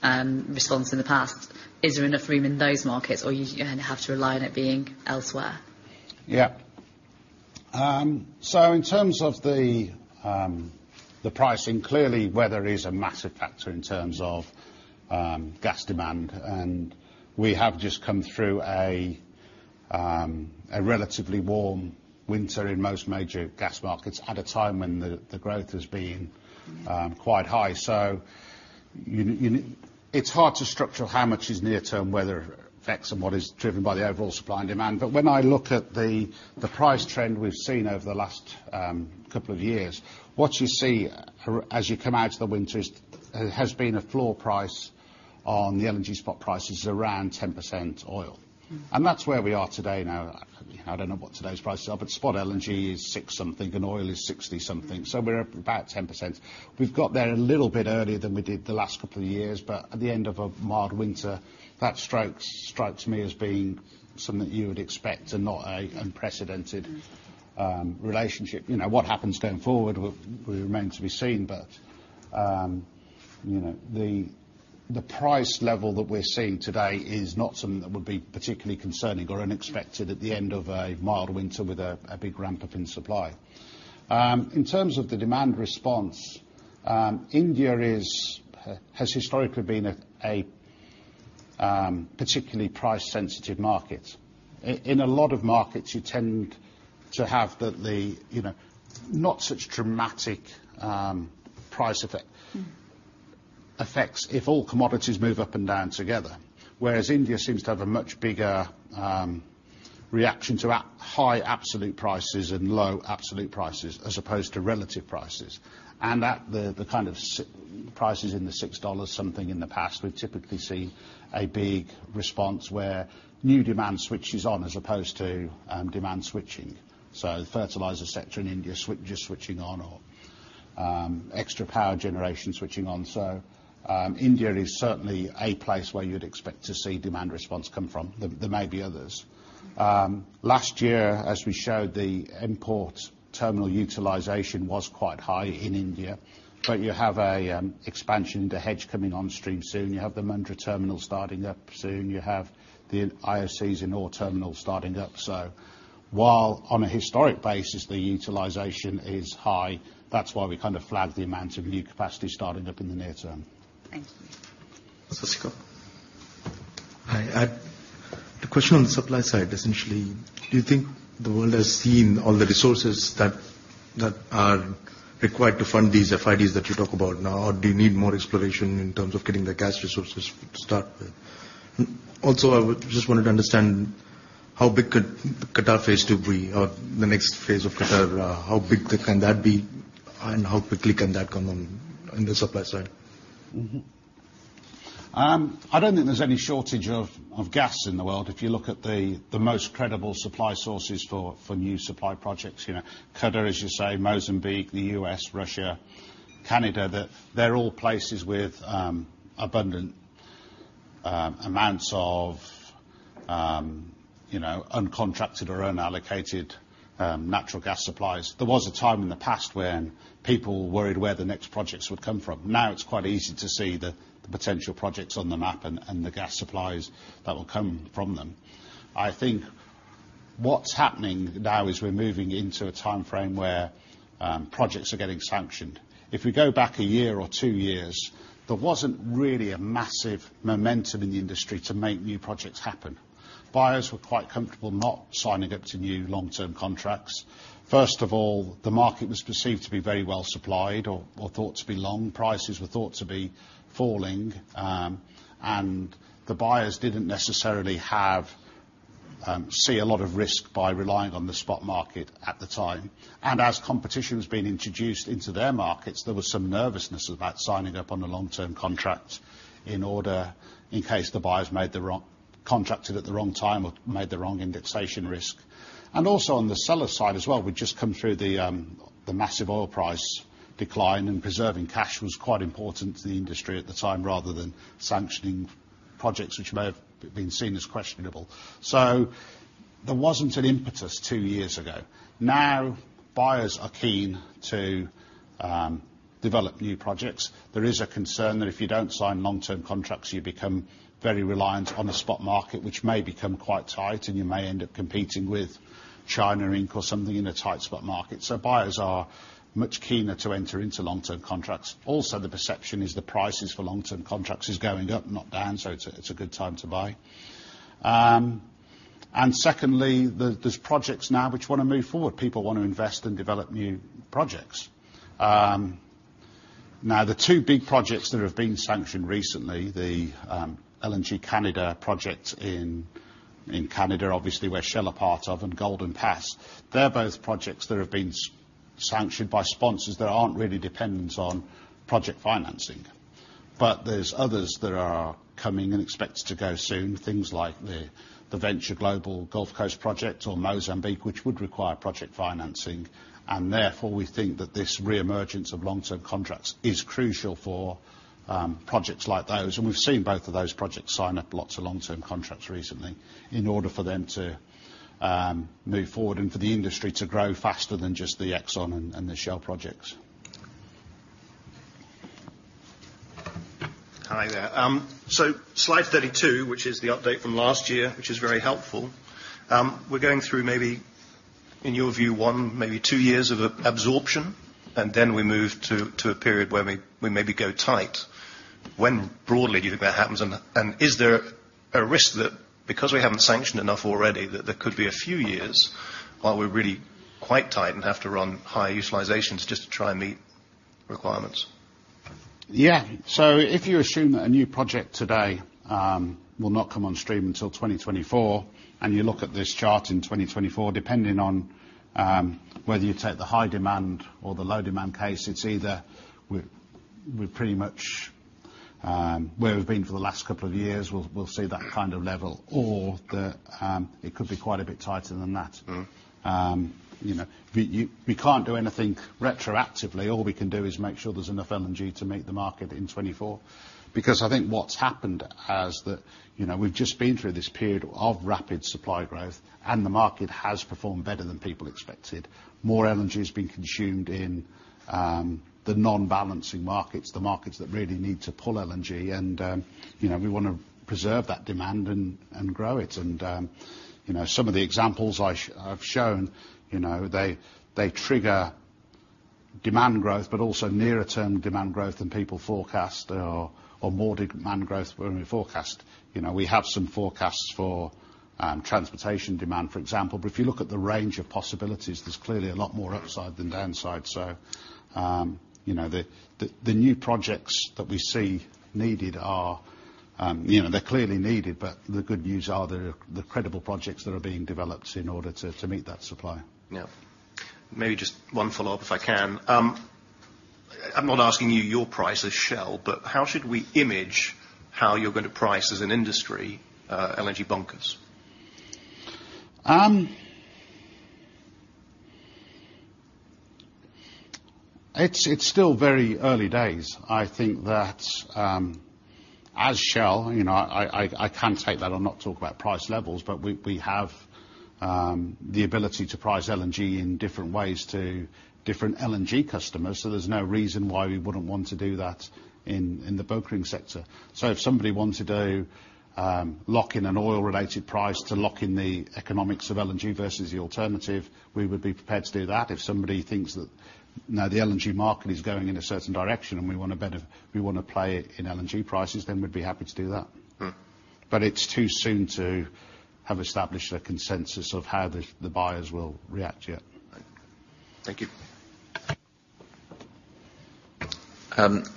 response in the past, is there enough room in those markets? Or you have to rely on it being elsewhere? In terms of the pricing, clearly weather is a massive factor in terms of gas demand. We have just come through a relatively warm winter in most major gas markets at a time when the growth has been quite high. It's hard to structure how much is near-term weather effects and what is driven by the overall supply and demand. When I look at the price trend we've seen over the last couple of years, what you see as you come out of the winter has been a floor price on the LNG spot prices around 10% oil. That's where we are today now. I don't know what today's prices are, but spot LNG is six something, and oil is 60 something. We're about 10%. We've got there a little bit earlier than we did the last couple of years, but at the end of a mild winter, that strikes me as being something that you would expect and not a unprecedented relationship. What happens going forward, we remain to be seen, but the price level that we're seeing today is not something that would be particularly concerning or unexpected at the end of a mild winter with a big ramp up in supply. In terms of the demand response, India has historically been a particularly price-sensitive market. In a lot of markets, you tend to have the not such dramatic price effects if all commodities move up and down together. Whereas India seems to have a much bigger reaction to high absolute prices and low absolute prices as opposed to relative prices. At the kind of prices in the $6 something in the past, we've typically seen a big response where new demand switches on as opposed to demand switching. The fertilizer sector in India just switching on or extra power generation switching on. India is certainly a place where you'd expect to see demand response come from. There might be others. Last year, as we showed, the import terminal utilization was quite high in India, but you have a expansion to Hazira coming on stream soon. You have the Mundra terminal starting up soon. You have the IOC's Ennore terminal starting up. While on a historic basis, the utilization is high, that's why we flagged the amount of new capacity starting up in the near term. Thank you. [Sasika] Hi. The question on supply side, essentially, do you think the world has seen all the resources that are required to fund these FIDs that you talk about now? Or do you need more exploration in terms of getting the gas resources to start with? Also, I just wanted to understand how big could the Qatar phase 2 be, or the next phase of Qatar? How big can that be, and how quickly can that come on in the supply side? I don't think there's any shortage of gas in the world. If you look at the most credible supply sources for new supply projects, Qatar, as you say, Mozambique, the U.S., Russia, Canada, they're all places with abundant amounts of uncontracted or unallocated natural gas supplies. There was a time in the past when people worried where the next projects would come from. Now it's quite easy to see the potential projects on the map and the gas supplies that will come from them. I think what's happening now is we're moving into a timeframe where projects are getting sanctioned. If we go back a year or two years, there wasn't really a massive momentum in the industry to make new projects happen. Buyers were quite comfortable not signing up to new long-term contracts. First of all, the market was perceived to be very well-supplied or thought to be long. Prices were thought to be falling, the buyers didn't necessarily see a lot of risk by relying on the spot market at the time. As competition was being introduced into their markets, there was some nervousness about signing up on a long-term contract in case the buyers contracted at the wrong time or made the wrong indexation risk. Also on the seller side as well, we'd just come through the massive oil price decline, preserving cash was quite important to the industry at the time, rather than sanctioning projects which may have been seen as questionable. There wasn't an impetus two years ago. Now buyers are keen to develop new projects. There is a concern that if you don't sign long-term contracts, you become very reliant on a spot market, which may become quite tight, and you may end up competing with China Inc. or something in a tight spot market. Buyers are much keener to enter into long-term contracts. Also, the perception is the prices for long-term contracts is going up, not down, so it's a good time to buy. Secondly, there's projects now which want to move forward. People want to invest and develop new projects. The two big projects that have been sanctioned recently, the LNG Canada project in Canada, obviously, where Shell are part of, and Golden Pass. They're both projects that have been sanctioned by sponsors that aren't really dependent on project financing. There's others that are coming and expected to go soon. Things like the Venture Global Gulf Coast project or Mozambique, which would require project financing. Therefore, we think that this reemergence of long-term contracts is crucial for projects like those. We've seen both of those projects sign up lots of long-term contracts recently in order for them to move forward and for the industry to grow faster than just the Exxon and the Shell projects. Hi there. Slide 32, which is the update from last year, which is very helpful. We're going through maybe in your view, one, maybe two years of absorption, then we move to a period where we maybe go tight. When broadly do you think that happens? Is there a risk that because we haven't sanctioned enough already, that there could be a few years while we're really quite tight and have to run high utilizations just to try and meet requirements? Yeah. If you assume that a new project today will not come on stream until 2024, and you look at this chart in 2024, depending on whether you take the high demand or the low demand case, it's either we're pretty much where we've been for the last couple of years. We'll see that kind of level. It could be quite a bit tighter than that. We can't do anything retroactively. All we can do is make sure there's enough LNG to meet the market in 2024. I think what's happened is that we've just been through this period of rapid supply growth, and the market has performed better than people expected. More LNG has been consumed in the non-balancing markets, the markets that really need to pull LNG. We want to preserve that demand and grow it. Some of the examples I've shown, they trigger demand growth, but also nearer term demand growth than people forecast or more demand growth than we forecast. We have some forecasts for transportation demand, for example, but if you look at the range of possibilities, there's clearly a lot more upside than downside. The new projects that we see needed, they're clearly needed, but the good news are there are the credible projects that are being developed in order to meet that supply. Yeah. Maybe just one follow-up if I can. I'm not asking you your price as Shell, but how should we imagine how you're going to price as an industry LNG bunkers? It's still very early days. I think that as Shell, I can take that. I'll not talk about price levels, but we have the ability to price LNG in different ways to different LNG customers. There's no reason why we wouldn't want to do that in the brokering sector. If somebody wanted to lock in an oil-related price to lock in the economics of LNG versus the alternative, we would be prepared to do that. If somebody thinks that now the LNG market is going in a certain direction, and we want to play in LNG prices, then we'd be happy to do that. It's too soon to have established a consensus of how the buyers will react yet. Thank you.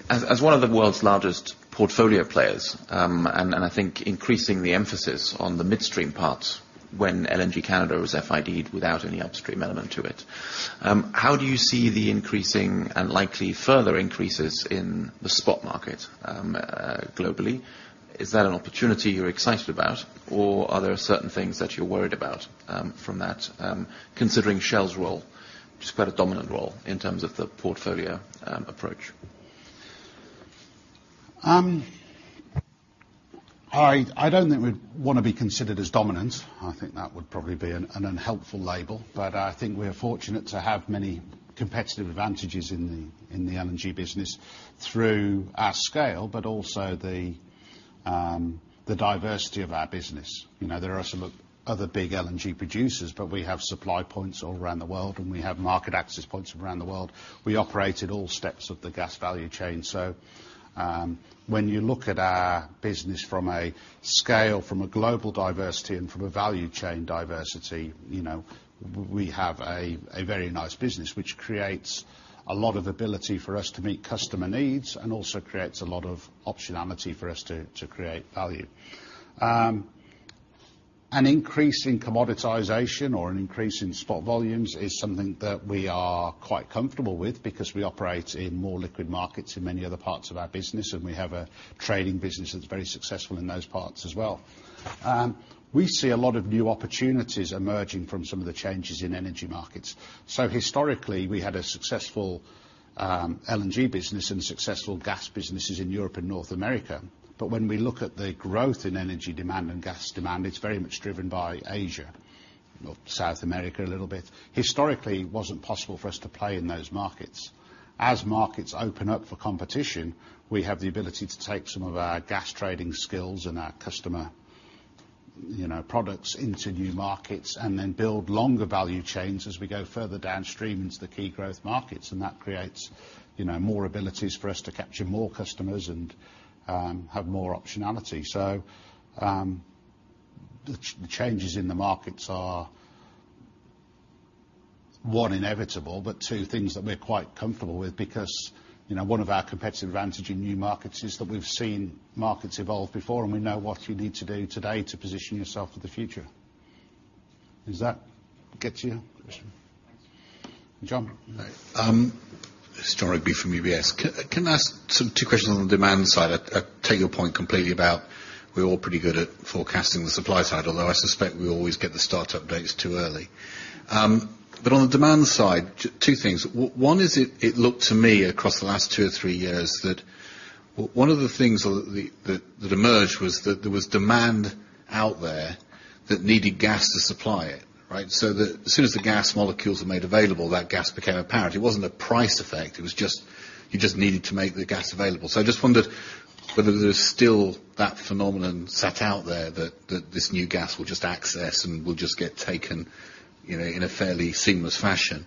As one of the world's largest portfolio players, and I think increasing the emphasis on the midstream parts when LNG Canada was FID'd without any upstream element to it, how do you see the increasing and likely further increases in the spot market globally? Is that an opportunity you're excited about, or are there certain things that you're worried about from that, considering Shell's role, which is quite a dominant role in terms of the portfolio approach? I don't think we'd want to be considered as dominant. I think that would probably be an unhelpful label. I think we are fortunate to have many competitive advantages in the LNG business through our scale, but also the diversity of our business. There are some other big LNG producers, but we have supply points all around the world, and we have market access points around the world. We operate at all steps of the gas value chain. When you look at our business from a scale, from a global diversity, and from a value chain diversity, we have a very nice business, which creates a lot of ability for us to meet customer needs and also creates a lot of optionality for us to create value. An increase in commoditization or an increase in spot volumes is something that we are quite comfortable with because we operate in more liquid markets in many other parts of our business, and we have a trading business that's very successful in those parts as well. We see a lot of new opportunities emerging from some of the changes in energy markets. Historically, we had a successful LNG business and successful gas businesses in Europe and North America. When we look at the growth in energy demand and gas demand, it's very much driven by Asia, South America, a little bit. Historically, it wasn't possible for us to play in those markets. As markets open up for competition, we have the ability to take some of our gas trading skills and our customer products into new markets and then build longer value chains as we go further downstream into the key growth markets. That creates more abilities for us to capture more customers and have more optionality. The changes in the markets are, one, inevitable, but two, things that we're quite comfortable with because one of our competitive advantage in new markets is that we've seen markets evolve before, and we know what you need to do today to position yourself for the future. Does that get to your question? Yeah. John. Jon Rigby from UBS. Can I ask two questions on the demand side? I take your point completely about we're all pretty good at forecasting the supply side, although I suspect we always get the start-up dates too early. On the demand side, two things. One is it looked to me across the last two or three years that one of the things that emerged was that there was demand out there that needed gas to supply it, right? That as soon as the gas molecules are made available, that gas became apparent. It wasn't a price effect, you just needed to make the gas available. I just wondered whether there's still that phenomenon sat out there that this new gas will just access and will just get taken in a fairly seamless fashion.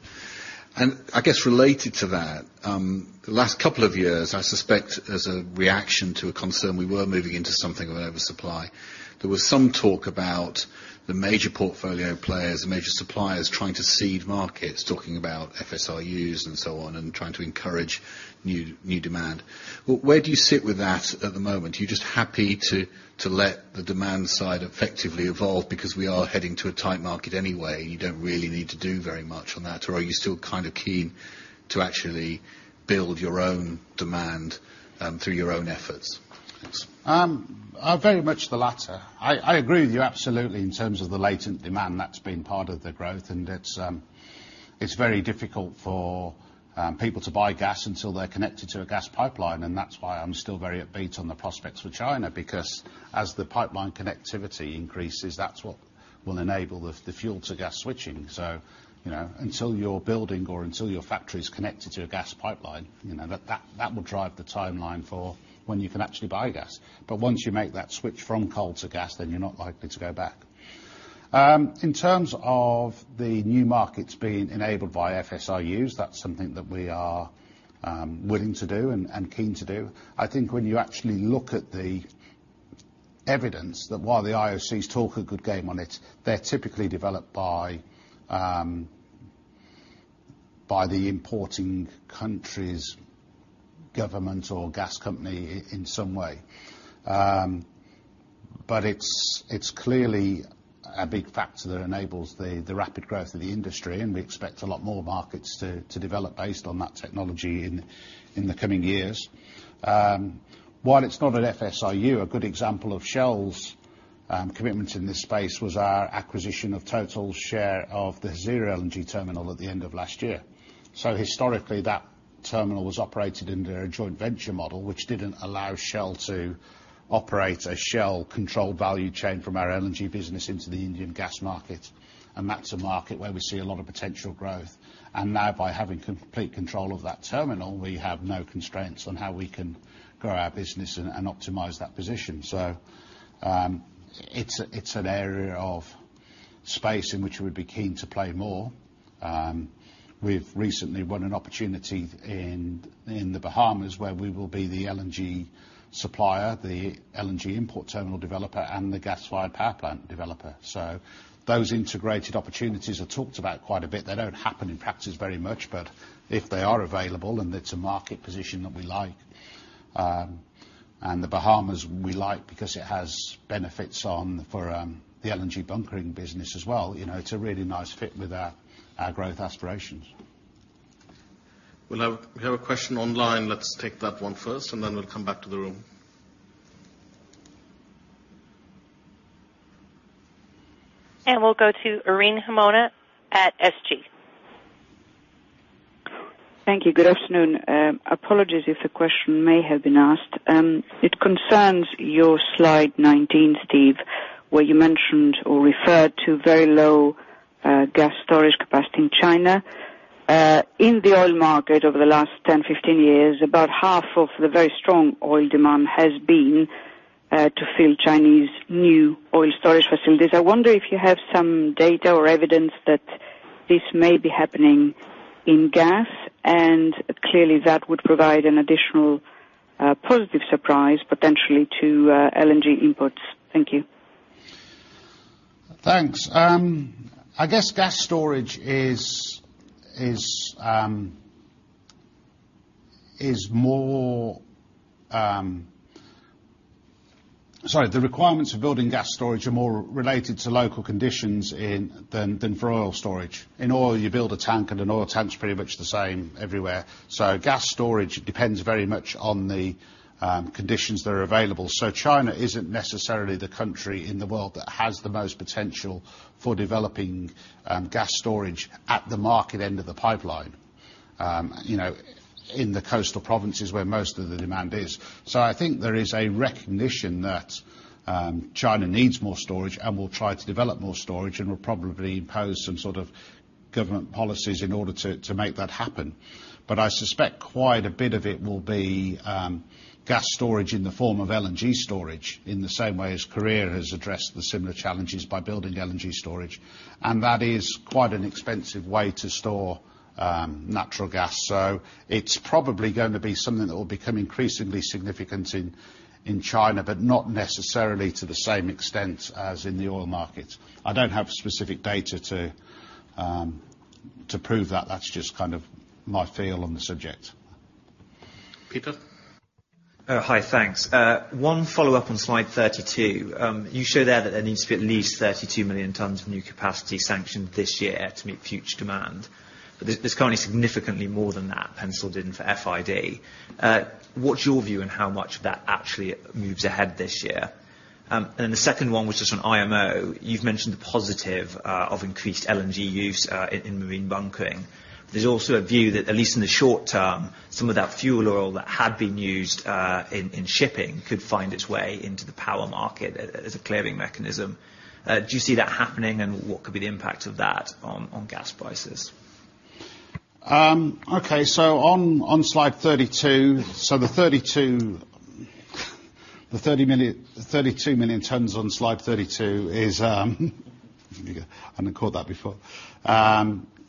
I guess related to that, the last couple of years, I suspect as a reaction to a concern we were moving into something of an oversupply, there was some talk about the major portfolio players, the major suppliers trying to seed markets, talking about FSRUs and so on, and trying to encourage new demand. Where do you sit with that at the moment? You're just happy to let the demand side effectively evolve because we are heading to a tight market anyway, and you don't really need to do very much on that? Are you still keen to actually build your own demand through your own efforts? Very much the latter. I agree with you absolutely in terms of the latent demand that's been part of the growth, and it's very difficult for people to buy gas until they're connected to a gas pipeline. That's why I'm still very upbeat on the prospects for China, because as the pipeline connectivity increases, that's what will enable the fuel to gas switching. Until you're building or until your factory is connected to a gas pipeline, that will drive the timeline for when you can actually buy gas. Once you make that switch from coal to gas, then you're not likely to go back. In terms of the new markets being enabled by FSRUs, that's something that we are willing to do and keen to do. I think when you actually look at the evidence that while the IOCs talk a good game on it, they're typically developed by the importing country's government or gas company in some way. It's clearly a big factor that enables the rapid growth of the industry, and we expect a lot more markets to develop based on that technology in the coming years. While it's not an FSRU, a good example of Shell's commitment in this space was our acquisition of Total's share of the Hazira LNG terminal at the end of last year. Historically, that terminal was operated under a joint venture model, which didn't allow Shell to operate a Shell-controlled value chain from our LNG business into the Indian gas market. That's a market where we see a lot of potential growth. Now by having complete control of that terminal, we have no constraints on how we can grow our business and optimize that position. It's an area of space in which we'd be keen to play more. We've recently won an opportunity in the Bahamas where we will be the LNG supplier, the LNG import terminal developer, and the gas-fired power plant developer. Those integrated opportunities are talked about quite a bit. They don't happen in practice very much, but if they are available, and it's a market position that we like. The Bahamas we like because it has benefits on for the LNG bunkering business as well. It's a really nice fit with our growth aspirations. We have a question online. Let's take that one first, and then we'll come back to the room. We'll go to Irene Himona at Société Générale. Thank you. Good afternoon. Apologies if the question may have been asked. It concerns your slide 19, Steve, where you mentioned or referred to very low gas storage capacity in China. In the oil market over the last 10-15 years, about half of the very strong oil demand has been to fill Chinese new oil storage facilities. I wonder if you have some data or evidence that this may be happening in gas, and clearly that would provide an additional positive surprise potentially to LNG imports. Thank you. Thanks. I guess gas storage is more...sorry, the requirements of building gas storage are more related to local conditions than for oil storage. In oil, you build a tank, and an oil tank's pretty much the same everywhere. Gas storage depends very much on the conditions that are available. China isn't necessarily the country in the world that has the most potential for developing gas storage at the market end of the pipeline, in the coastal provinces where most of the demand is. I think there is a recognition that China needs more storage and will try to develop more storage and will probably impose some sort of government policies in order to make that happen. I suspect quite a bit of it will be gas storage in the form of LNG storage in the same way as Korea has addressed the similar challenges by building LNG storage. That is quite an expensive way to store natural gas. It's probably going to be something that will become increasingly significant in China, but not necessarily to the same extent as in the oil market. I don't have specific data to prove that. That's just my feel on the subject. Peter? Hi, thanks. One follow-up on slide 32. You show there that there needs to be at least 32 million tons of new capacity sanctioned this year to meet future demand. There's currently significantly more than that penciled in for FID. What's your view on how much of that actually moves ahead this year? The second one was just on IMO. You've mentioned the positive of increased LNG use in marine bunkering. There's also a view that, at least in the short term, some of that fuel oil that had been used in shipping could find its way into the power market as a clearing mechanism. Do you see that happening, and what could be the impact of that on gas prices? Okay. On slide 32, the 32 million tons on slide 32 is I hadn't caught that before,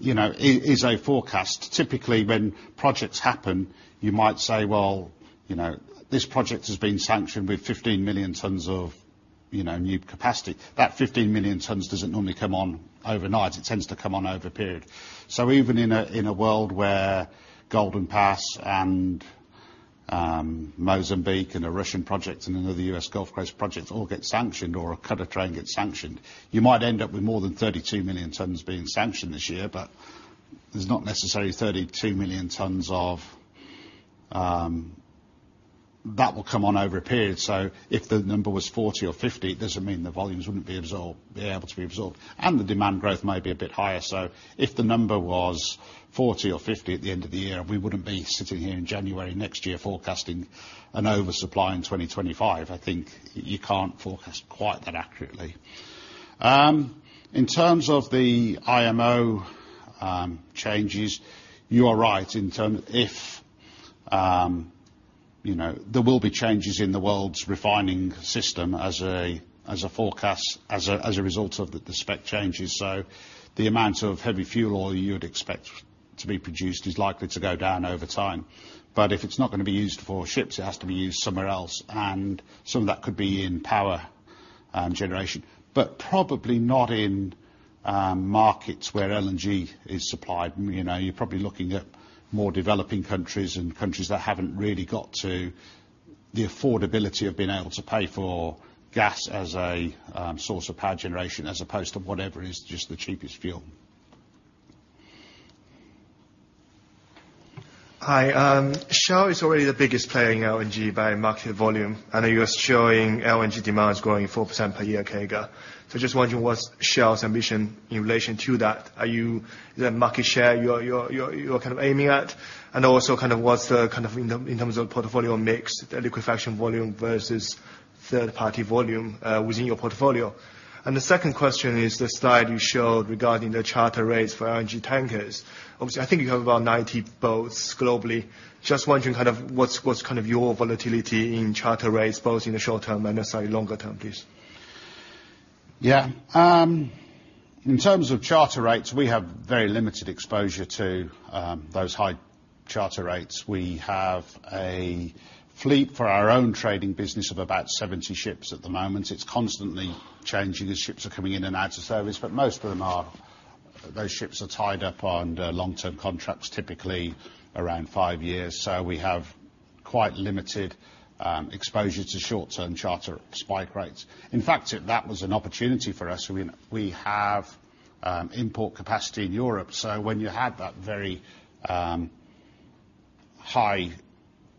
is a forecast. Typically, when projects happen, you might say, well, this project has been sanctioned with 15 million tons of new capacity. That 15 million tons doesn't normally come on overnight. It tends to come on over a period. Even in a world where Golden Pass and Mozambique and a Russian project and another U.S. Gulf Coast project all get sanctioned or a cut of train gets sanctioned, you might end up with more than 32 million tons being sanctioned this year, but there's not necessarily 32 million tons that will come on over a period. If the number was 40 or 50, it doesn't mean the volumes wouldn't be able to be absorbed. The demand growth may be a bit higher. If the number was 40 or 50 at the end of the year, we wouldn't be sitting here in January next year forecasting an oversupply in 2025. I think you can't forecast quite that accurately. In terms of the IMO changes, you are right. There will be changes in the world's refining system as a result of the spec changes. The amount of heavy fuel oil you would expect to be produced is likely to go down over time. If it's not going to be used for ships, it has to be used somewhere else. Some of that could be in power generation. Probably not in markets where LNG is supplied. You're probably looking at more developing countries and countries that haven't really got to the affordability of being able to pay for gas as a source of power generation as opposed to whatever is just the cheapest fuel. Hi. Shell is already the biggest player in LNG by market volume. I know you are showing LNG demand is growing 4% per year CAGR. Just wondering what's Shell's ambition in relation to that. Is there a market share you're kind of aiming at? What's the, in terms of portfolio mix, the liquefaction volume versus third-party volume, within your portfolio? The second question is the slide you showed regarding the charter rates for LNG tankers. Obviously, I think you have about 90 boats globally. Just wondering, what's your volatility in charter rates, both in the short term and necessarily longer term, please? Yeah. In terms of charter rates, we have very limited exposure to those high charter rates. We have a fleet for our own trading business of about 70 ships at the moment. It's constantly changing, as ships are coming in and out of service, but most of those ships are tied up on long-term contracts, typically around five years. We have quite limited exposure to short-term charter spike rates. In fact, that was an opportunity for us. We have import capacity in Europe, so when you had that very high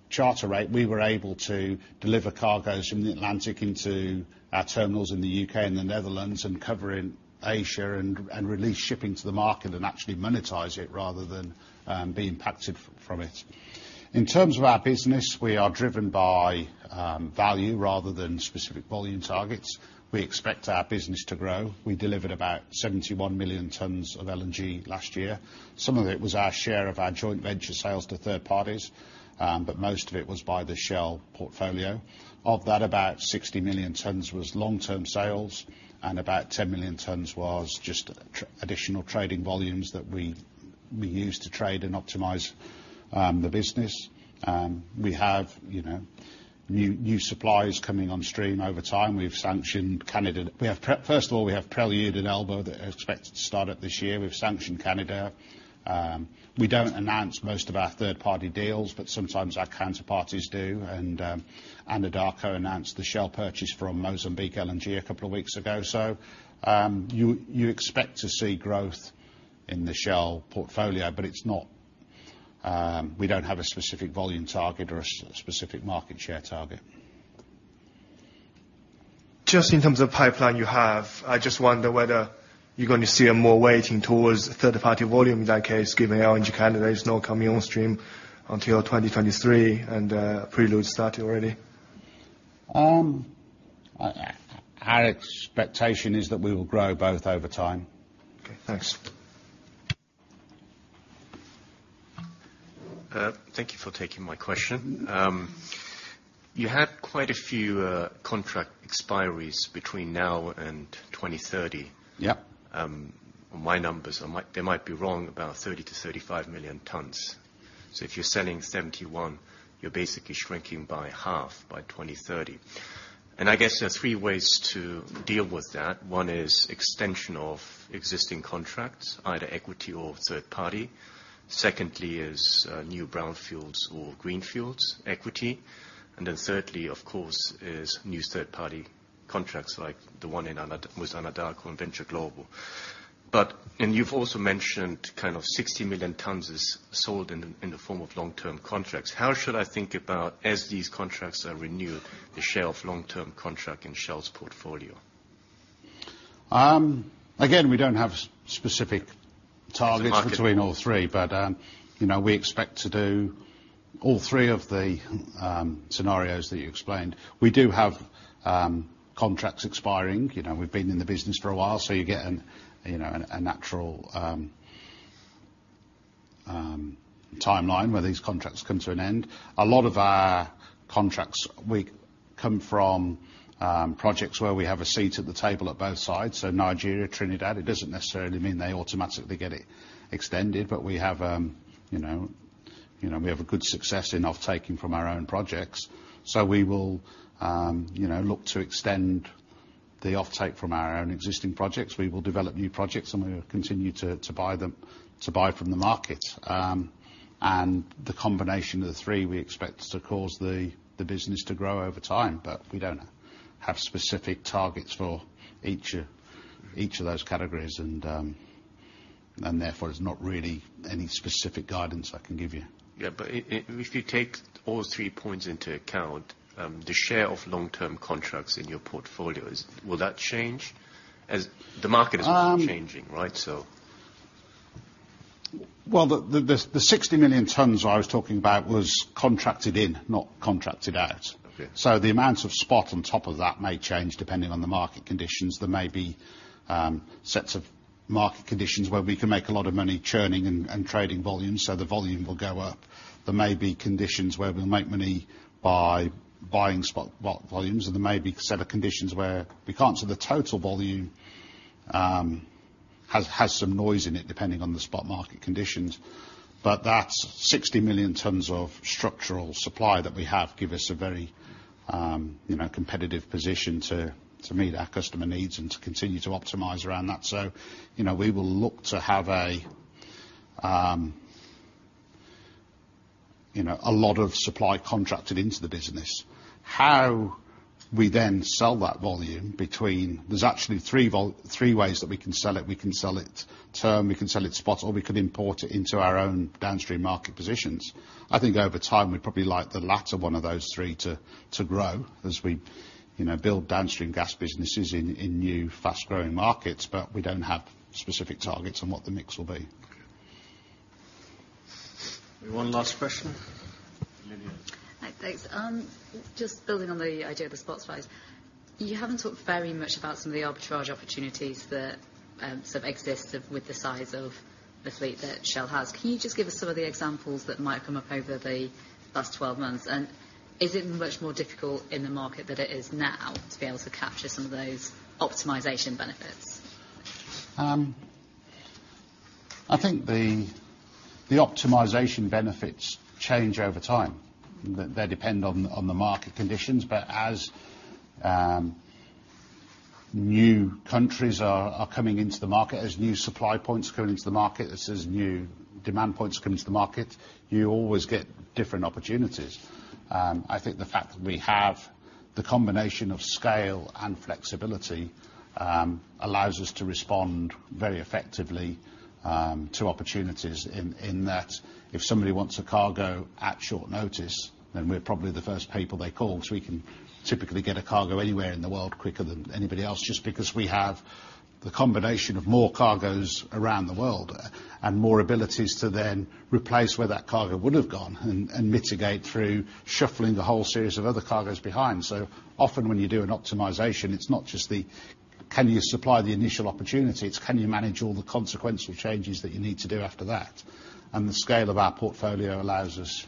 charter rate, we were able to deliver cargoes from the Atlantic into our terminals in the U.K. and the Netherlands and cover in Asia and release shipping to the market and actually monetize it rather than be impacted from it. In terms of our business, we are driven by value rather than specific volume targets. We expect our business to grow. We delivered about 71 million tons of LNG last year. Some of it was our share of our joint venture sales to third parties, but most of it was by the Shell portfolio. Of that, about 60 million tons was long-term sales, and about 10 million tons was just additional trading volumes that we use to trade and optimize the business. We have new supplies coming on stream over time. First of all, we have Prelude and Elba that are expected to start up this year. We've sanctioned Canada. We don't announce most of our third-party deals, but sometimes our counterparties do. Anadarko announced the Shell purchase from Mozambique LNG a couple of weeks ago. You expect to see growth in the Shell portfolio, but we don't have a specific volume target or a specific market share target. Just in terms of pipeline you have, I just wonder whether you're going to see a more weighting towards third-party volume in that case, given LNG Canada is not coming on stream until 2023 and Prelude started already. Our expectation is that we will grow both over time. Okay, thanks. Thank you for taking my question. You had quite a few contract expiries between now and 2030. Yeah. My numbers, they might be wrong, about 30 million-35 million tons. If you're selling 71, you're basically shrinking by half by 2030. I guess there are three ways to deal with that. One is extension of existing contracts, either equity or third party. Secondly is new brownfields or greenfields equity. Thirdly, of course, is new third-party contracts like the one with Anadarko and Venture Global. You've also mentioned kind of 60 million tons is sold in the form of long-term contracts. How should I think about, as these contracts are renewed, the share of long-term contract in Shell's portfolio? Again, we don't have specific targets. The market between all three, but we expect to do all three of the scenarios that you explained. We do have contracts expiring. We've been in the business for a while, so you get a natural timeline where these contracts come to an end. A lot of our contracts come from projects where we have a seat at the table at both sides. Nigeria, Trinidad, it doesn't necessarily mean they automatically get extended, but we have a good success in off-taking from our own projects. We will look to extend the off-take from our own existing projects. We will develop new projects, and we will continue to buy from the market. The combination of the three, we expect to cause the business to grow over time, but we don't have specific targets for each of those categories. Therefore, there's not really any specific guidance I can give you. If you take all three points into account, the share of long-term contracts in your portfolios, will that change? As the market is changing, right? Well, the 60 million tons I was talking about was contracted in, not contracted out. Okay. The amount of spot on top of that may change depending on the market conditions. There may be sets of market conditions where we can make a lot of money churning and trading volume. The volume will go up. There may be conditions where we'll make money by buying spot volumes. There may be a set of conditions where we can't. The total volume has some noise in it depending on the spot market conditions, but that 60 million tons of structural supply that we have give us a very competitive position to meet our customer needs and to continue to optimize around that. We will look to have a lot of supply contracted into the business. How we then sell that volume. There's actually three ways that we can sell it. We can sell it term, we can sell it spot, or we could import it into our own downstream market positions. I think over time, we'd probably like the latter one of those three to grow as we build downstream gas businesses in new, fast-growing markets. We don't have specific targets on what the mix will be. Okay. One last question. Lydia Hi, thanks. Just building on the idea of the spot price, you haven't talked very much about some of the arbitrage opportunities that exist with the size of the fleet that Shell has. Can you just give us some of the examples that might have come up over the last 12 months? Is it much more difficult in the market than it is now to be able to capture some of those optimization benefits? I think the optimization benefits change over time. They depend on the market conditions. As new countries are coming into the market, as new supply points are coming into the market, as new demand points come into the market, you always get different opportunities. I think the fact that we have the combination of scale and flexibility allows us to respond very effectively to opportunities in that if somebody wants a cargo at short notice, then we're probably the first people they call because we can typically get a cargo anywhere in the world quicker than anybody else, just because we have the combination of more cargoes around the world and more abilities to then replace where that cargo would've gone and mitigate through shuffling the whole series of other cargoes behind. Often when you do an optimization, it's not just the can you supply the initial opportunity, it's can you manage all the consequential changes that you need to do after that. The scale of our portfolio allows us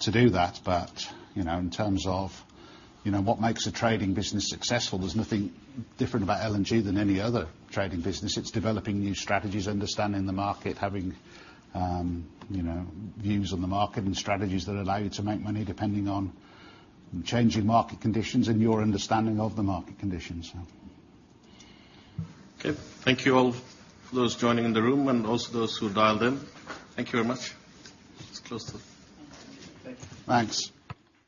to do that. In terms of what makes a trading business successful, there's nothing different about LNG than any other trading business. It's developing new strategies, understanding the market, having views on the market and strategies that allow you to make money depending on changing market conditions and your understanding of the market conditions. Okay. Thank you all, those joining in the room and also those who dialed in. Thank you very much. Let's close the Thanks.